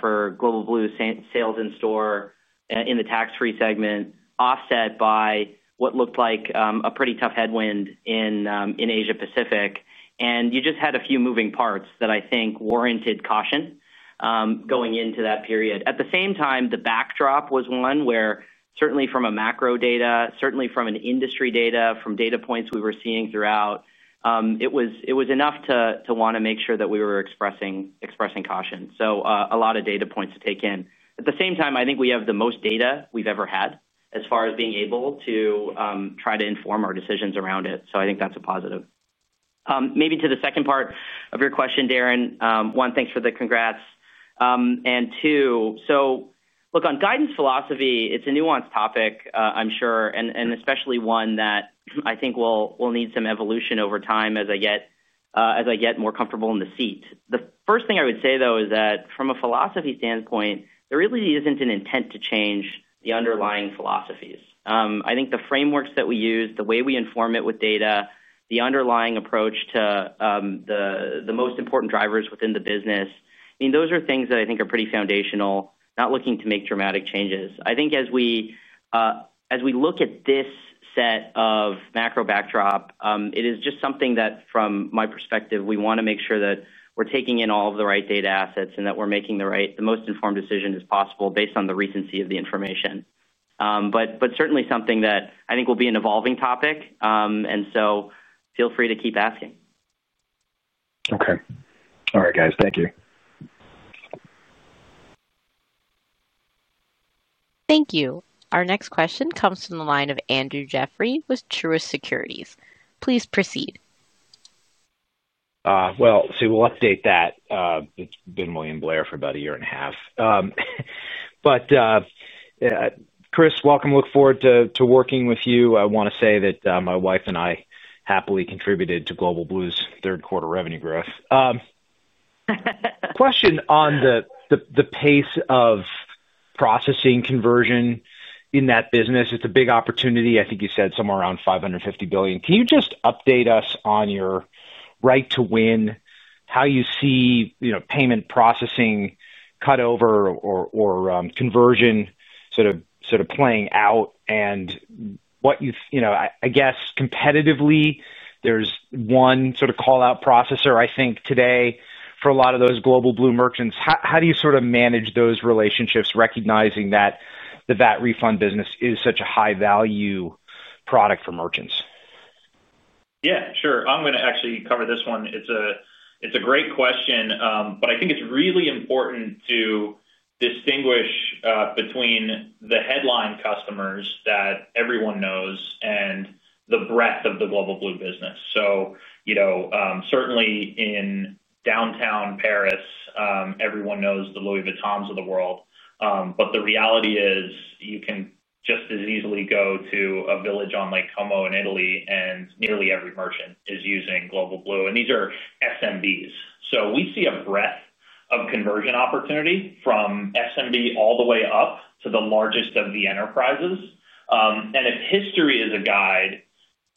S4: for Global Blue sales in-store in the tax-free segment offset by what looked like a pretty tough headwind in Asia-Pacific. You just had a few moving parts that I think warranted caution going into that period. At the same time, the backdrop was one where certainly from a macro data, certainly from an industry data, from data points we were seeing throughout, it was enough to want to make sure that we were expressing caution. A lot of data points to take in. At the same time, I think we have the most data we have ever had as far as being able to try to inform our decisions around it. I think that is a positive. Maybe to the second part of your question, Darrin, one, thanks for the congrats. Two, look, on guidance philosophy, it is a nuanced topic, I am sure, and especially one that I think will need some evolution over time as I get more comfortable in the seat. The first thing I would say, though, is that from a philosophy standpoint, there really is not an intent to change the underlying philosophies. I think the frameworks that we use, the way we inform it with data, the underlying approach to the most important drivers within the business, I mean, those are things that I think are pretty foundational, not looking to make dramatic changes. I think as we look at this set of macro backdrop, it is just something that from my perspective, we want to make sure that we are taking in all of the right data assets and that we are making the most informed decision as possible based on the recency of the information. Certainly something that I think will be an evolving topic. Feel free to keep asking.
S8: Okay. All right, guys. Thank you.
S1: Thank you. Our next question comes from the line of Andrew Jeffrey with Truist Securities. Please proceed.
S9: We'll update that. It's been William Blair for about a year and a half. Chris, welcome. Look forward to working with you. I want to say that my wife and I happily contributed to Global Blue's third-quarter revenue growth. Question on the pace of processing conversion in that business. It's a big opportunity. I think you said somewhere around $550 billion. Can you just update us on your right to win, how you see payment processing cut over or conversion sort of playing out and what you, I guess, competitively, there's one sort of call-out processor, I think, today for a lot of those Global Blue merchants. How do you sort of manage those relationships, recognizing that the VAT refund business is such a high-value product for merchants?
S3: Yeah, sure. I'm going to actually cover this one. It's a great question, but I think it's really important to distinguish between the headline customers that everyone knows and the breadth of the Global Blue business. Certainly in downtown Paris, everyone knows the Louis Vuittons of the world. The reality is you can just as easily go to a village on Lake Como in Italy, and nearly every merchant is using Global Blue. These are SMBs. We see a breadth of conversion opportunity from SMB all the way up to the largest of the enterprises. If history is a guide,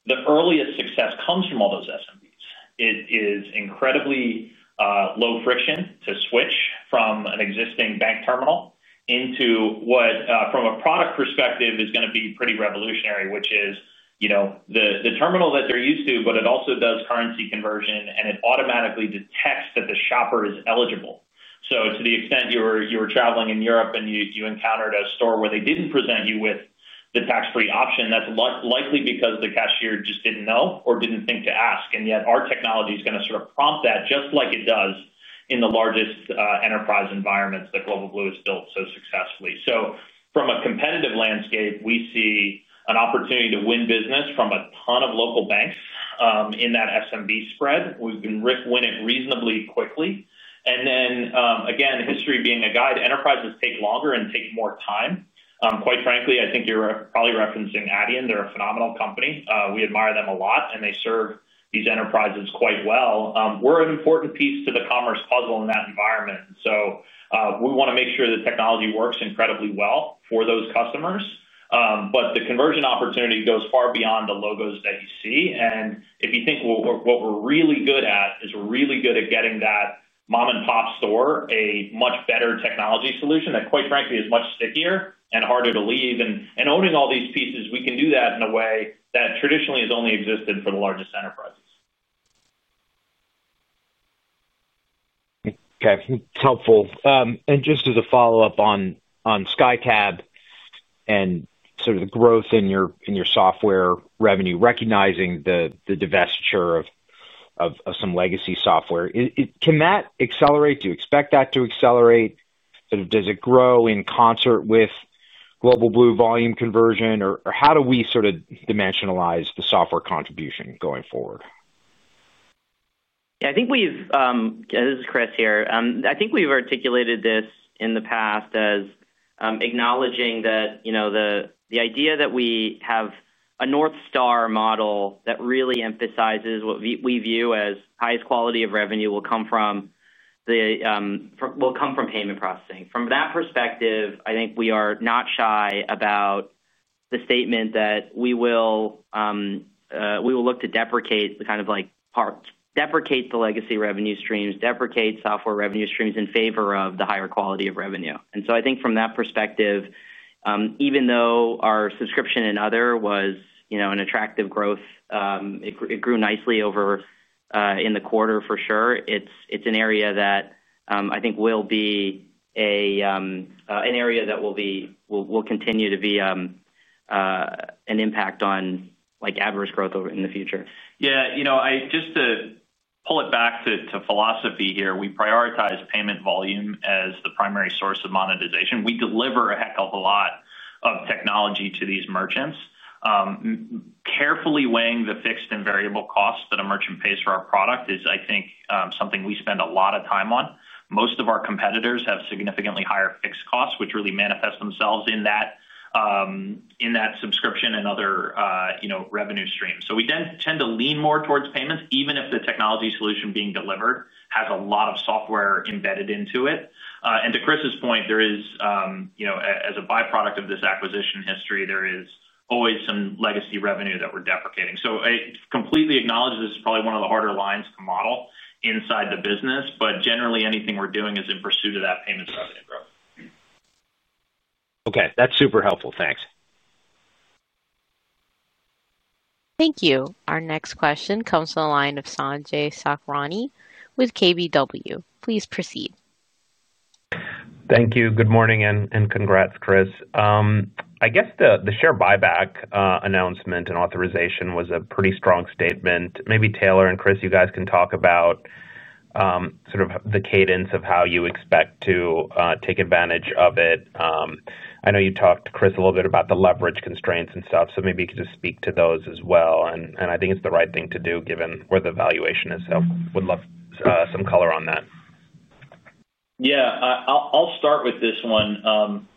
S3: the earliest success comes from all those SMBs. It is incredibly low friction to switch from an existing bank terminal into what, from a product perspective, is going to be pretty revolutionary, which is. The terminal that they're used to, but it also does currency conversion, and it automatically detects that the shopper is eligible. To the extent you were traveling in Europe and you encountered a store where they didn't present you with the tax-free option, that's likely because the cashier just didn't know or didn't think to ask. Yet our technology is going to sort of prompt that just like it does in the largest enterprise environments that Global Blue has built so successfully. From a competitive landscape, we see an opportunity to win business from a ton of local banks in that SMB spread. We can riff win it reasonably quickly. Again, history being a guide, enterprises take longer and take more time. Quite frankly, I think you're probably referencing Adyen. They're a phenomenal company. We admire them a lot, and they serve these enterprises quite well. We're an important piece to the commerce puzzle in that environment. We want to make sure the technology works incredibly well for those customers. The conversion opportunity goes far beyond the logos that you see. If you think what we're really good at is we're really good at getting that mom-and-pop store a much better technology solution that, quite frankly, is much stickier and harder to leave. Owning all these pieces, we can do that in a way that traditionally has only existed for the largest enterprises.
S9: Okay. It's helpful. Just as a follow-up on SkyCab and sort of the growth in your software revenue, recognizing the divestiture of some legacy software, can that accelerate? Do you expect that to accelerate? Does it grow in concert with Global Blue volume conversion? How do we sort of dimensionalize the software contribution going forward?
S4: Yeah, I think we've articulated this in the past as acknowledging that the idea that we have a North Star model that really emphasizes what we view as highest quality of revenue will come from payment processing. From that perspective, I think we are not shy about the statement that we will look to deprecate the kind of deprecate the legacy revenue streams, deprecate software revenue streams in favor of the higher quality of revenue. I think from that perspective, even though our subscription and other was an attractive growth, it grew nicely over in the quarter for sure. It's an area that I think will be an area that will continue to be an impact on adverse growth in the future.
S3: Yeah. Just to pull it back to philosophy here, we prioritize payment volume as the primary source of monetization. We deliver a heck of a lot of technology to these merchants. Carefully weighing the fixed and variable costs that a merchant pays for our product is, I think, something we spend a lot of time on. Most of our competitors have significantly higher fixed costs, which really manifest themselves in that subscription and other revenue streams. We tend to lean more towards payments, even if the technology solution being delivered has a lot of software embedded into it. To Chris's point, there is, as a byproduct of this acquisition history, always some legacy revenue that we're deprecating. I completely acknowledge this is probably one of the harder lines to model inside the business, but generally, anything we're doing is in pursuit of that payments revenue growth.
S9: Okay. That's super helpful. Thanks.
S1: Thank you. Our next question comes from the line of Sanjay Sakhrani with KBW. Please proceed.
S10: Thank you. Good morning and congrats, Chris. I guess the share buyback announcement and authorization was a pretty strong statement. Maybe Taylor and Chris, you guys can talk about sort of the cadence of how you expect to take advantage of it. I know you talked to Chris a little bit about the leverage constraints and stuff, so maybe you could just speak to those as well. I think it is the right thing to do given where the valuation is. Would love some color on that.
S3: Yeah. I'll start with this one.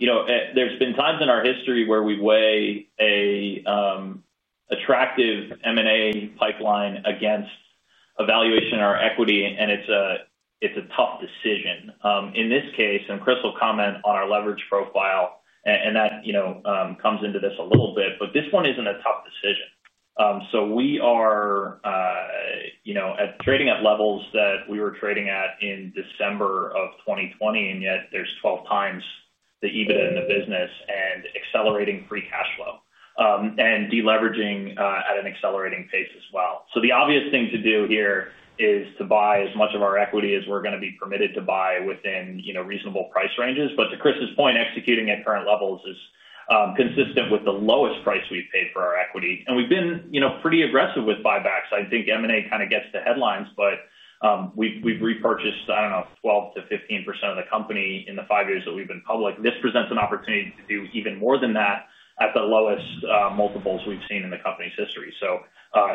S3: There's been times in our history where we weigh an attractive M&A pipeline against a valuation or equity, and it's a tough decision. In this case, and Chris will comment on our leverage profile, and that comes into this a little bit, but this one isn't a tough decision. We are trading at levels that we were trading at in December of 2020, and yet there's 12 times the EBITDA in the business and accelerating free cash flow and deleveraging at an accelerating pace as well. The obvious thing to do here is to buy as much of our equity as we're going to be permitted to buy within reasonable price ranges. To Chris's point, executing at current levels is consistent with the lowest price we've paid for our equity. We've been pretty aggressive with buybacks. I think M&A kind of gets the headlines, but we have repurchased, I do not know, 12%-15% of the company in the five years that we have been public. This presents an opportunity to do even more than that at the lowest multiples we have seen in the company's history.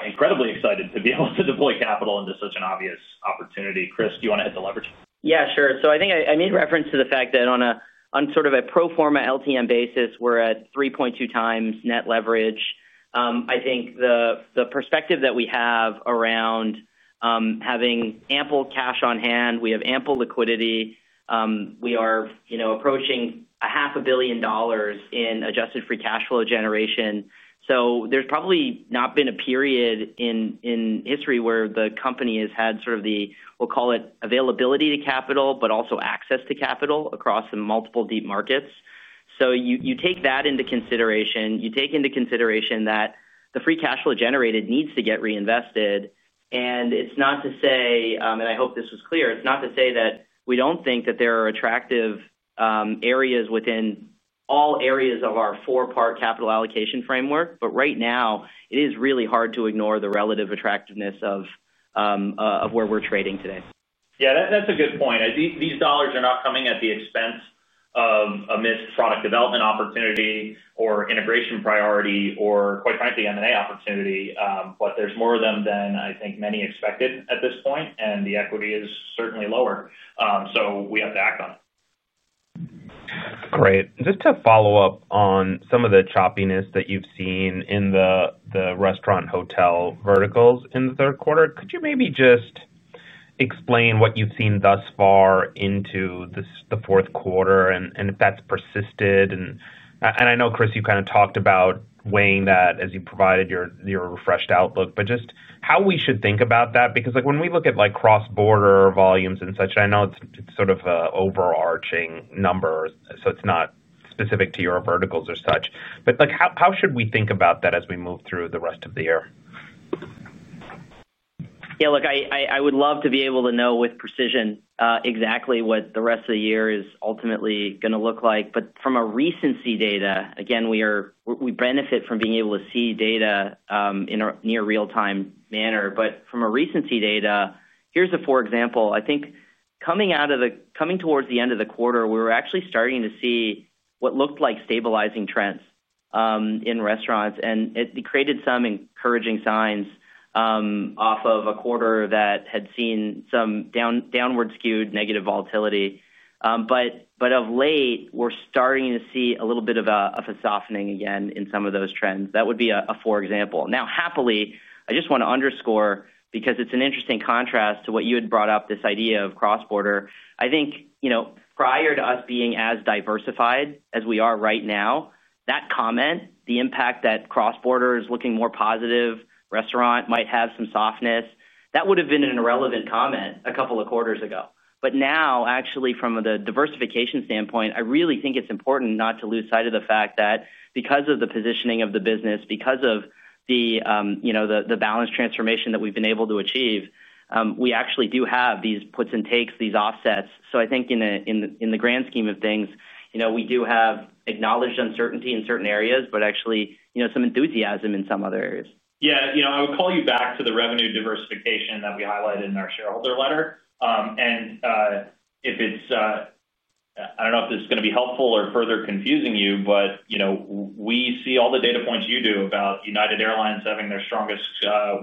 S3: Incredibly excited to be able to deploy capital into such an obvious opportunity. Chris, do you want to hit the leverage?
S4: Yeah, sure. I think I made reference to the fact that on sort of a pro forma LTM basis, we're at 3.2 times net leverage. I think the perspective that we have around having ample cash on hand, we have ample liquidity. We are approaching $500,000,000 in adjusted free cash flow generation. There's probably not been a period in history where the company has had sort of the, we'll call it availability to capital, but also access to capital across multiple deep markets. You take that into consideration. You take into consideration that the free cash flow generated needs to get reinvested. It's not to say, and I hope this was clear, it's not to say that we don't think that there are attractive. Areas within all areas of our four-part capital allocation framework, but right now, it is really hard to ignore the relative attractiveness of where we're trading today.
S3: Yeah, that's a good point. These dollars are not coming at the expense of a missed product development opportunity or integration priority or, quite frankly, M&A opportunity. There are more of them than I think many expected at this point, and the equity is certainly lower. We have to act on it.
S10: Great. Just to follow up on some of the choppiness that you've seen in the restaurant-hotel verticals in the third quarter, could you maybe just explain what you've seen thus far into the fourth quarter and if that's persisted? I know, Chris, you kind of talked about weighing that as you provided your refreshed outlook, but just how we should think about that because when we look at cross-border volumes and such, I know it's sort of an overarching number, so it's not specific to your verticals or such. How should we think about that as we move through the rest of the year?
S4: Yeah, look, I would love to be able to know with precision exactly what the rest of the year is ultimately going to look like. From a recency data, again, we benefit from being able to see data in a near real-time manner. From a recency data, here's a for example. I think coming towards the end of the quarter, we were actually starting to see what looked like stabilizing trends in restaurants. It created some encouraging signs off of a quarter that had seen some downward skewed negative volatility. Of late, we're starting to see a little bit of a softening again in some of those trends. That would be a for example. Now, happily, I just want to underscore because it's an interesting contrast to what you had brought up, this idea of cross-border. I think. Prior to us being as diversified as we are right now, that comment, the impact that cross-border is looking more positive, restaurant might have some softness, that would have been an irrelevant comment a couple of quarters ago. Now, actually, from the diversification standpoint, I really think it's important not to lose sight of the fact that because of the positioning of the business, because of the balance transformation that we've been able to achieve, we actually do have these puts and takes, these offsets. I think in the grand scheme of things, we do have acknowledged uncertainty in certain areas, but actually some enthusiasm in some other areas.
S3: Yeah. I would call you back to the revenue diversification that we highlighted in our shareholder letter. I do not know if this is going to be helpful or further confusing you, but we see all the data points you do about United Airlines having their strongest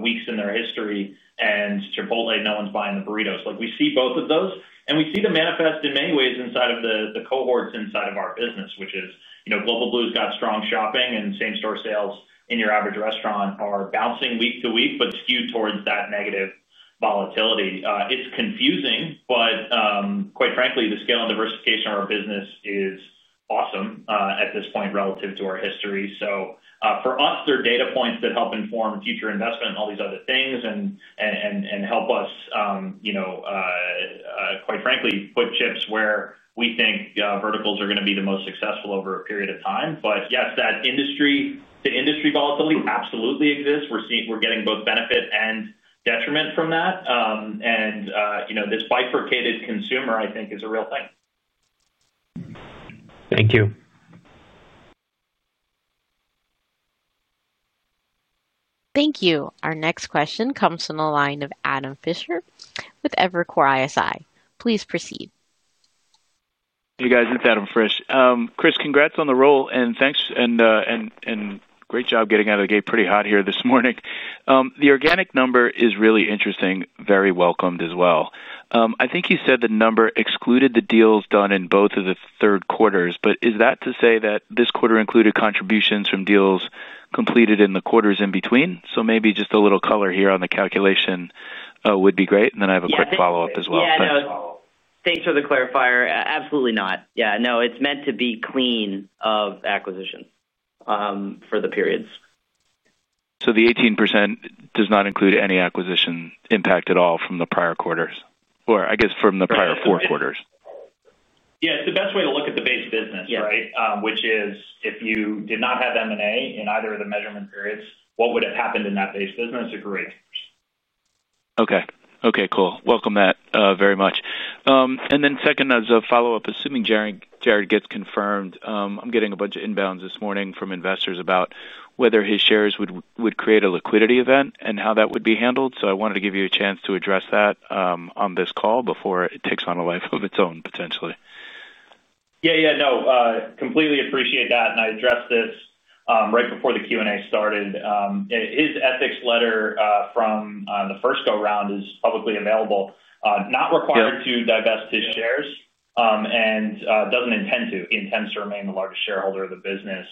S3: weeks in their history and Chipotle, no one's buying the burritos. We see both of those. We see the manifest in many ways inside of the cohorts inside of our business, which is Global Blue's got strong shopping and same-store sales in your average restaurant are bouncing week to week, but skewed towards that negative volatility. It is confusing, but quite frankly, the scale and diversification of our business is awesome at this point relative to our history. For us, they are data points that help inform future investment and all these other things and help us. Quite frankly, put chips where we think verticals are going to be the most successful over a period of time. Yes, that industry, the industry volatility absolutely exists. We're getting both benefit and detriment from that. This bifurcated consumer, I think, is a real thing.
S10: Thank you.
S1: Thank you. Our next question comes from the line of Adam Frisch with Evercore ISI. Please proceed.
S11: Hey, guys. It's Adam Frisch. Chris, congrats on the role and thanks. Great job getting out of the gate pretty hot here this morning. The organic number is really interesting, very welcomed as well. I think you said the number excluded the deals done in both of the third quarters, but is that to say that this quarter included contributions from deals completed in the quarters in between? Maybe just a little color here on the calculation would be great. I have a quick follow-up as well.
S4: Yeah. Thanks for the clarifier. Absolutely not. Yeah. No, it's meant to be clean of acquisitions for the periods.
S11: The 18% does not include any acquisition impact at all from the prior quarters or I guess from the prior four quarters?
S3: Yeah. It's the best way to look at the base business, right? Which is if you did not have M&A in either of the measurement periods, what would have happened in that base business? Agreed.
S11: Okay. Okay. Cool. Appreciate that very much. Then second, as a follow-up, assuming Jared gets confirmed, I'm getting a bunch of inbounds this morning from investors about whether his shares would create a liquidity event and how that would be handled. I wanted to give you a chance to address that on this call before it takes on a life of its own potentially.
S3: Yeah, yeah. No, completely appreciate that. I addressed this right before the Q&A started. His ethics letter from the first go-round is publicly available, not required to divest his shares, and does not intend to. He intends to remain the largest shareholder of the business.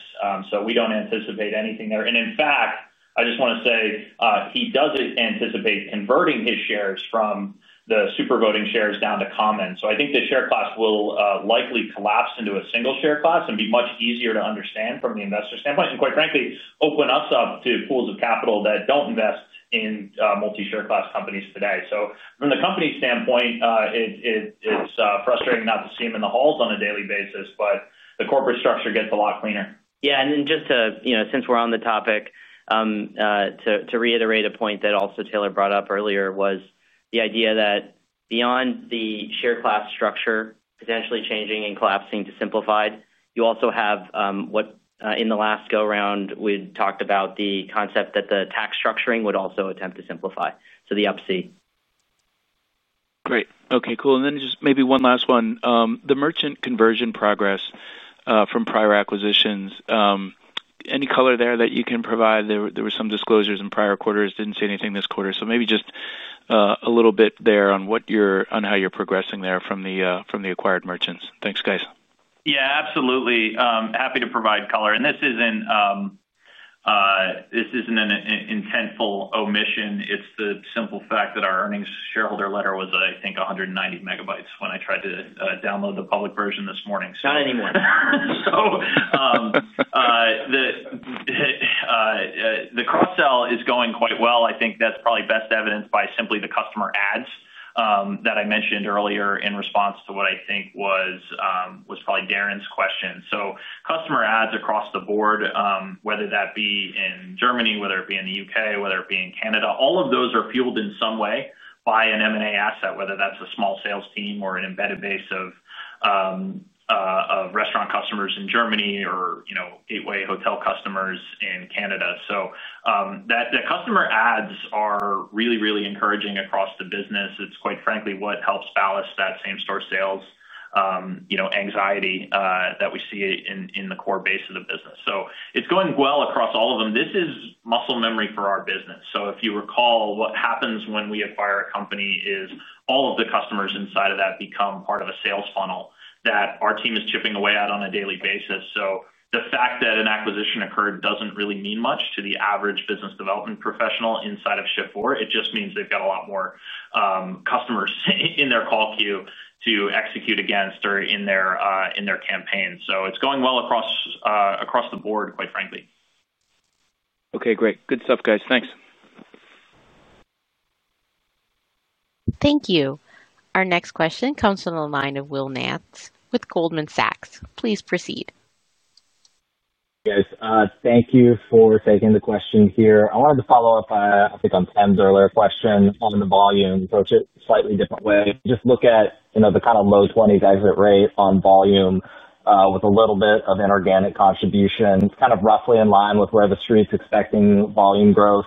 S3: We do not anticipate anything there. In fact, I just want to say he does anticipate converting his shares from the super voting shares down to commons. I think the share class will likely collapse into a single share class and be much easier to understand from the investor standpoint. Quite frankly, it will open us up to pools of capital that do not invest in multi-share class companies today. From the company standpoint, it is frustrating not to see them in the halls on a daily basis, but the corporate structure gets a lot cleaner.
S4: Yeah. And then just to, since we're on the topic. To reiterate a point that also Taylor brought up earlier was the idea that beyond the share class structure potentially changing and collapsing to simplified, you also have what in the last go-round we talked about, the concept that the tax structuring would also attempt to simplify. So the upsee.
S11: Great. Okay. Cool. Maybe one last one. The merchant conversion progress from prior acquisitions. Any color there that you can provide? There were some disclosures in prior quarters. Did not see anything this quarter. Maybe just a little bit there on how you are progressing there from the acquired merchants. Thanks, guys.
S3: Yeah, absolutely. Happy to provide color. This isn't an intentful omission. It's the simple fact that our earnings shareholder letter was, I think, 190 megabytes when I tried to download the public version this morning.
S11: Not anymore.
S3: The cross-sell is going quite well. I think that's probably best evidenced by simply the customer ads that I mentioned earlier in response to what I think was probably Darrin's question. Customer ads across the board, whether that be in Germany, whether it be in the U.K., whether it be in Canada, all of those are fueled in some way by an M&A asset, whether that's a small sales team or an embedded base of restaurant customers in Germany or gateway hotel customers in Canada. The customer ads are really, really encouraging across the business. It's quite frankly what helps balance that same-store sales anxiety that we see in the core base of the business. It's going well across all of them. This is muscle memory for our business. If you recall, what happens when we acquire a company is all of the customers inside of that become part of a sales funnel that our team is chipping away at on a daily basis. The fact that an acquisition occurred does not really mean much to the average business development professional inside of Shift4. It just means they have got a lot more customers in their call queue to execute against or in their campaign. It is going well across the board, quite frankly.
S11: Okay. Great. Good stuff, guys. Thanks.
S1: Thank you. Our next question comes from the line of Will Nance with Goldman Sachs. Please proceed.
S12: Hey, guys. Thank you for taking the question here. I wanted to follow up, I think, on Tim's earlier question on the volume. Approach it a slightly different way. Just look at the kind of low 20s exit rate on volume with a little bit of inorganic contribution. It's kind of roughly in line with where the street's expecting volume growth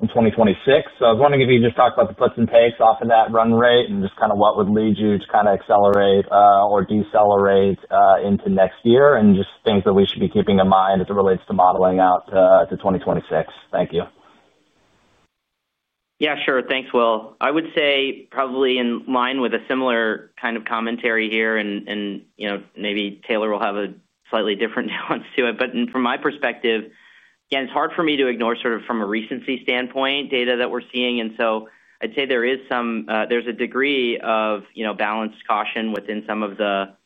S12: in 2026. I was wondering if you could just talk about the puts and takes off of that run rate and just kind of what would lead you to kind of accelerate or decelerate into next year and just things that we should be keeping in mind as it relates to modeling out to 2026. Thank you.
S4: Yeah, sure. Thanks, Will. I would say probably in line with a similar kind of commentary here, and maybe Taylor will have a slightly different nuance to it. From my perspective, again, it's hard for me to ignore sort of from a recency standpoint data that we're seeing. I'd say there is some, there's a degree of balanced caution within some of the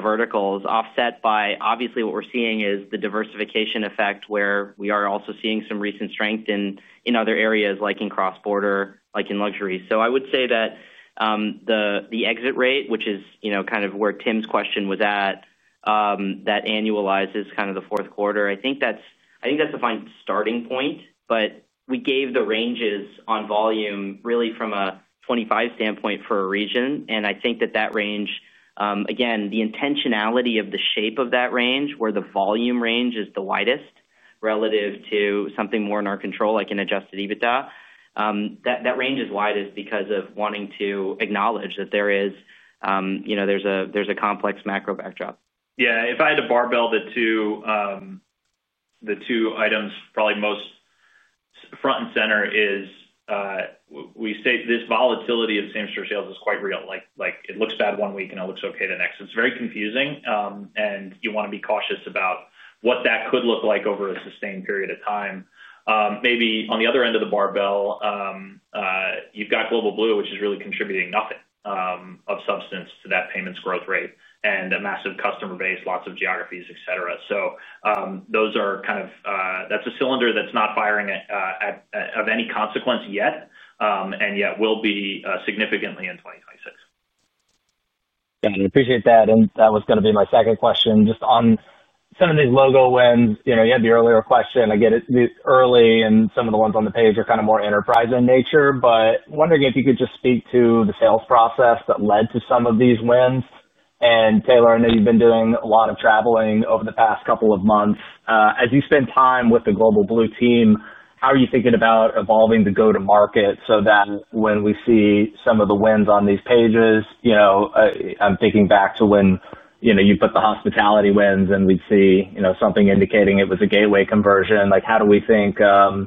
S4: verticals offset by, obviously, what we're seeing is the diversification effect where we are also seeing some recent strength in other areas like in cross-border, like in luxury. I would say that the exit rate, which is kind of where Tim's question was at, that annualizes kind of the fourth quarter. I think that's a fine starting point, but we gave the ranges on volume really from a 2025 standpoint for a region. I think that that range, again, the intentionality of the shape of that range where the volume range is the widest relative to something more in our control, like an Adjusted EBITDA. That range is widest because of wanting to acknowledge that there is a complex macro backdrop.
S3: Yeah. If I had to barbell the two items, probably most front and center is, we say this volatility of same-store sales is quite real. It looks bad one week and it looks okay the next. It's very confusing. You want to be cautious about what that could look like over a sustained period of time. Maybe on the other end of the barbell, you've got Global Blue, which is really contributing nothing of substance to that payments growth rate and a massive customer base, lots of geographies, etc. Those are kind of, that's a cylinder that's not firing of any consequence yet, and yet will be significantly in 2026.
S12: Got it. Appreciate that. That was going to be my second question. Just on some of these logo wins, you had the earlier question. I get it's early and some of the ones on the page are kind of more enterprise in nature, but wondering if you could just speak to the sales process that led to some of these wins. Taylor, I know you've been doing a lot of traveling over the past couple of months. As you spend time with the Global Blue team, how are you thinking about evolving the go-to-market so that when we see some of the wins on these pages. I'm thinking back to when you put the hospitality wins and we'd see something indicating it was a Gateway conversion. How do we think. How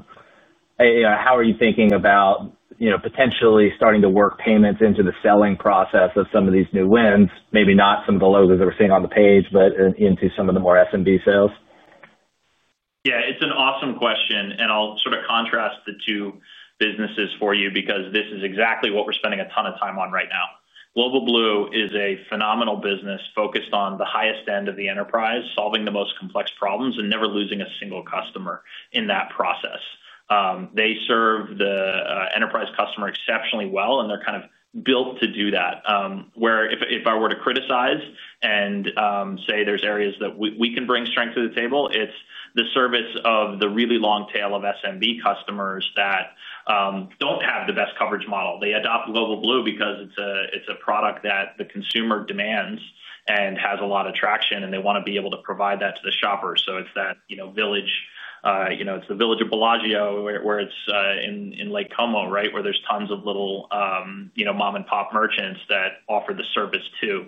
S12: are you thinking about. Potentially starting to work payments into the selling process of some of these new wins, maybe not some of the logos that we're seeing on the page, but into some of the more S&B sales?
S3: Yeah. It's an awesome question. I'll sort of contrast the two businesses for you because this is exactly what we're spending a ton of time on right now. Global Blue is a phenomenal business focused on the highest end of the enterprise, solving the most complex problems and never losing a single customer in that process. They serve the enterprise customer exceptionally well, and they're kind of built to do that. If I were to criticize and say there's areas that we can bring strength to the table, it's the service of the really long tail of S&B customers that do not have the best coverage model. They adopt Global Blue because it's a product that the consumer demands and has a lot of traction, and they want to be able to provide that to the shoppers. It's that village. It's the village of Bellagio where it's in Lake Como, right, where there's tons of little mom-and-pop merchants that offer the service too.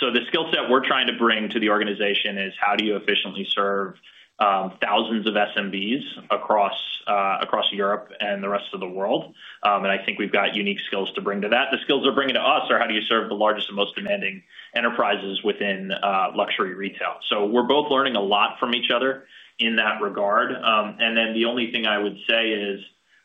S3: The skill set we're trying to bring to the organization is how do you efficiently serve thousands of S&Bs across Europe and the rest of the world? I think we've got unique skills to bring to that. The skills they're bringing to us are how do you serve the largest and most demanding enterprises within luxury retail. We're both learning a lot from each other in that regard. The only thing I would say is,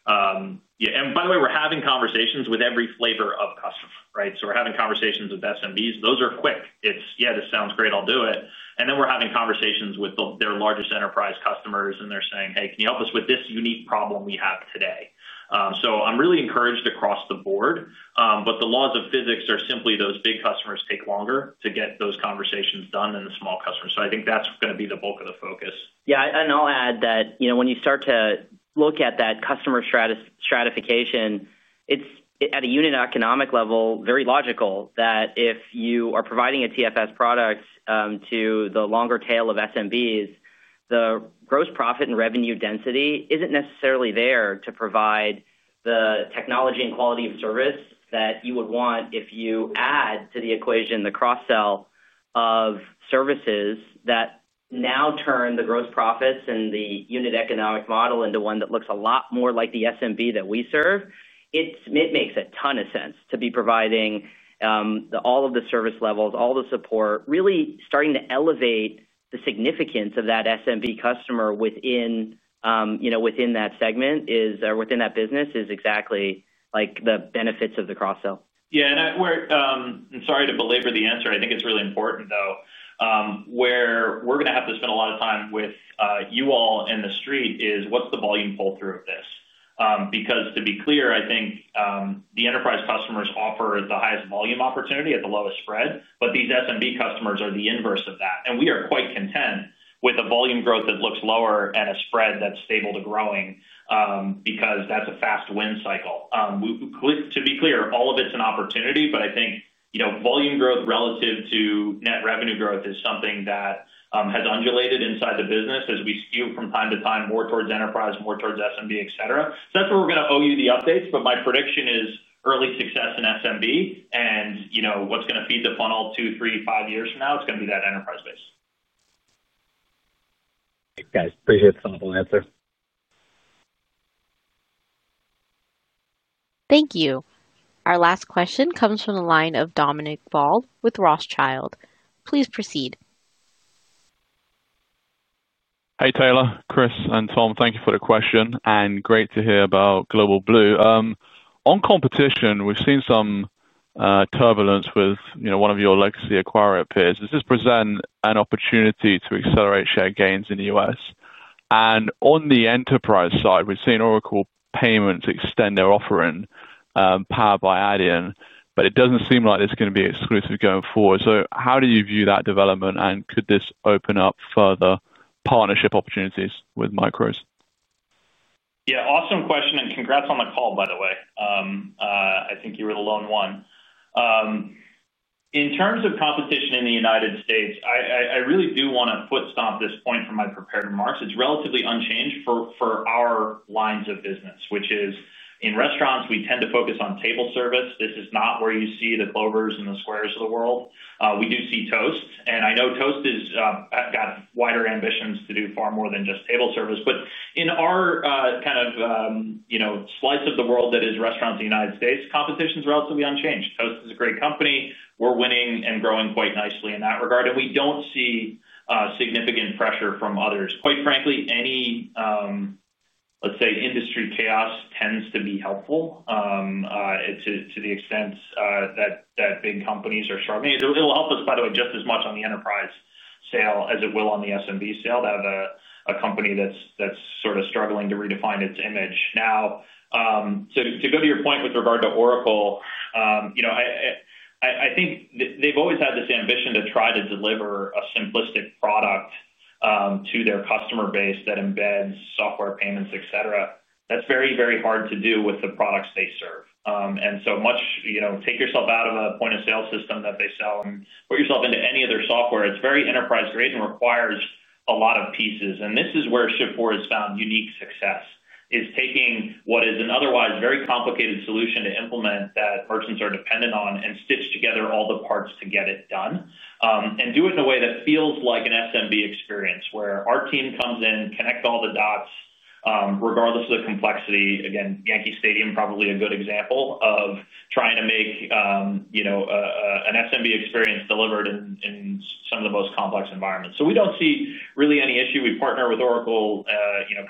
S3: by the way, we're having conversations with every flavor of customer, right? We're having conversations with S&Bs. Those are quick. It's, "Yeah, this sounds great. I'll do it." And then we're having conversations with their largest enterprise customers, and they're saying, "Hey, can you help us with this unique problem we have today?" I am really encouraged across the board, but the laws of physics are simply those big customers take longer to get those conversations done than the small customers. I think that's going to be the bulk of the focus.
S4: Yeah. I'll add that when you start to look at that customer stratification, it's at a unit economic level, very logical that if you are providing a TFS product to the longer tail of S&Bs, the gross profit and revenue density isn't necessarily there to provide the technology and quality of service that you would want. If you add to the equation the cross-sell of services that now turn the gross profits and the unit economic model into one that looks a lot more like the S&B that we serve, it makes a ton of sense to be providing all of the service levels, all the support, really starting to elevate the significance of that S&B customer within that segment or within that business. It's exactly like the benefits of the cross-sell.
S3: Yeah. I'm sorry to belabor the answer. I think it's really important, though. Where we're going to have to spend a lot of time with you all and the street is what's the volume pull-through of this? To be clear, I think the enterprise customers offer the highest volume opportunity at the lowest spread, but these S&B customers are the inverse of that. We are quite content with a volume growth that looks lower and a spread that's stable to growing because that's a fast win cycle. To be clear, all of it's an opportunity, but I think volume growth relative to net revenue growth is something that has undulated inside the business as we skew from time to time more towards enterprise, more towards S&B, etc. That's where we're going to owe you the updates, but my prediction is early success in S&B, and what's going to feed the funnel two, three, five years from now, it's going to be that enterprise base.
S12: Thanks, guys. Appreciate the thoughtful answer.
S1: Thank you. Our last question comes from the line of Dominic Ball with Rothschild. Please proceed.
S13: Hi, Taylor, Chris, and Tom. Thank you for the question, and great to hear about Global Blue. On competition, we've seen some turbulence with one of your legacy acquirer peers. Does this present an opportunity to accelerate share gains in the U.S.? On the enterprise side, we've seen Oracle Payments extend their offering powered by Adyen, but it does not seem like it is going to be exclusive going forward. How do you view that development, and could this open up further partnership opportunities with Micros?
S3: Yeah. Awesome question, and congrats on the call, by the way. I think you were the lone one. In terms of competition in the U.S., I really do want to foot-stomp this point from my prepared remarks. It's relatively unchanged for our lines of business, which is in restaurants, we tend to focus on table service. This is not where you see the Clovers and the Squares of the world. We do see Toast, and I know Toast has got wider ambitions to do far more than just table service. But in our kind of slice of the world that is restaurants in the U.S., competition is relatively unchanged. Toast is a great company. We're winning and growing quite nicely in that regard, and we don't see significant pressure from others. Quite frankly, any, let's say, industry chaos tends to be helpful. To the extent that big companies are struggling. It'll help us, by the way, just as much on the enterprise sale as it will on the S&B sale. They have a company that's sort of struggling to redefine its image now. To go to your point with regard to Oracle. I think they've always had this ambition to try to deliver a simplistic product to their customer base that embeds software payments, etc. That's very, very hard to do with the products they serve. Take yourself out of a point of sale system that they sell and put yourself into any other software. It's very enterprise-grade and requires a lot of pieces. This is where Shift4 has found unique success, is taking what is an otherwise very complicated solution to implement that merchants are dependent on and stitch together all the parts to get it done, and do it in a way that feels like an S&B experience where our team comes in, connect all the dots, regardless of the complexity. Again, Yankee Stadium is probably a good example of trying to make an S&B experience delivered in some of the most complex environments. We do not see really any issue. We partner with Oracle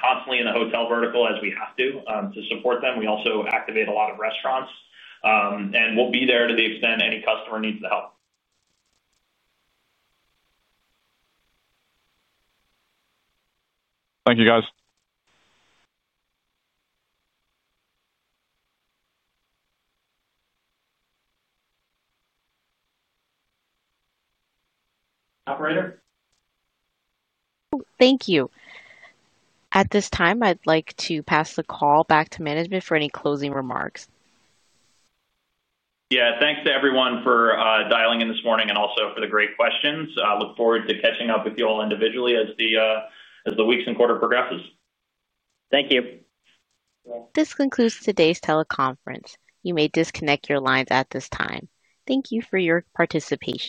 S3: constantly in the hotel vertical as we have to to support them. We also activate a lot of restaurants. We will be there to the extent any customer needs the help.
S13: Thank you, guys.
S3: Operator?
S1: Thank you. At this time, I'd like to pass the call back to management for any closing remarks.
S3: Yeah. Thanks to everyone for dialing in this morning and also for the great questions. I look forward to catching up with you all individually as the weeks and quarter progresses.
S4: Thank you.
S1: This concludes today's teleconference. You may disconnect your lines at this time. Thank you for your participation.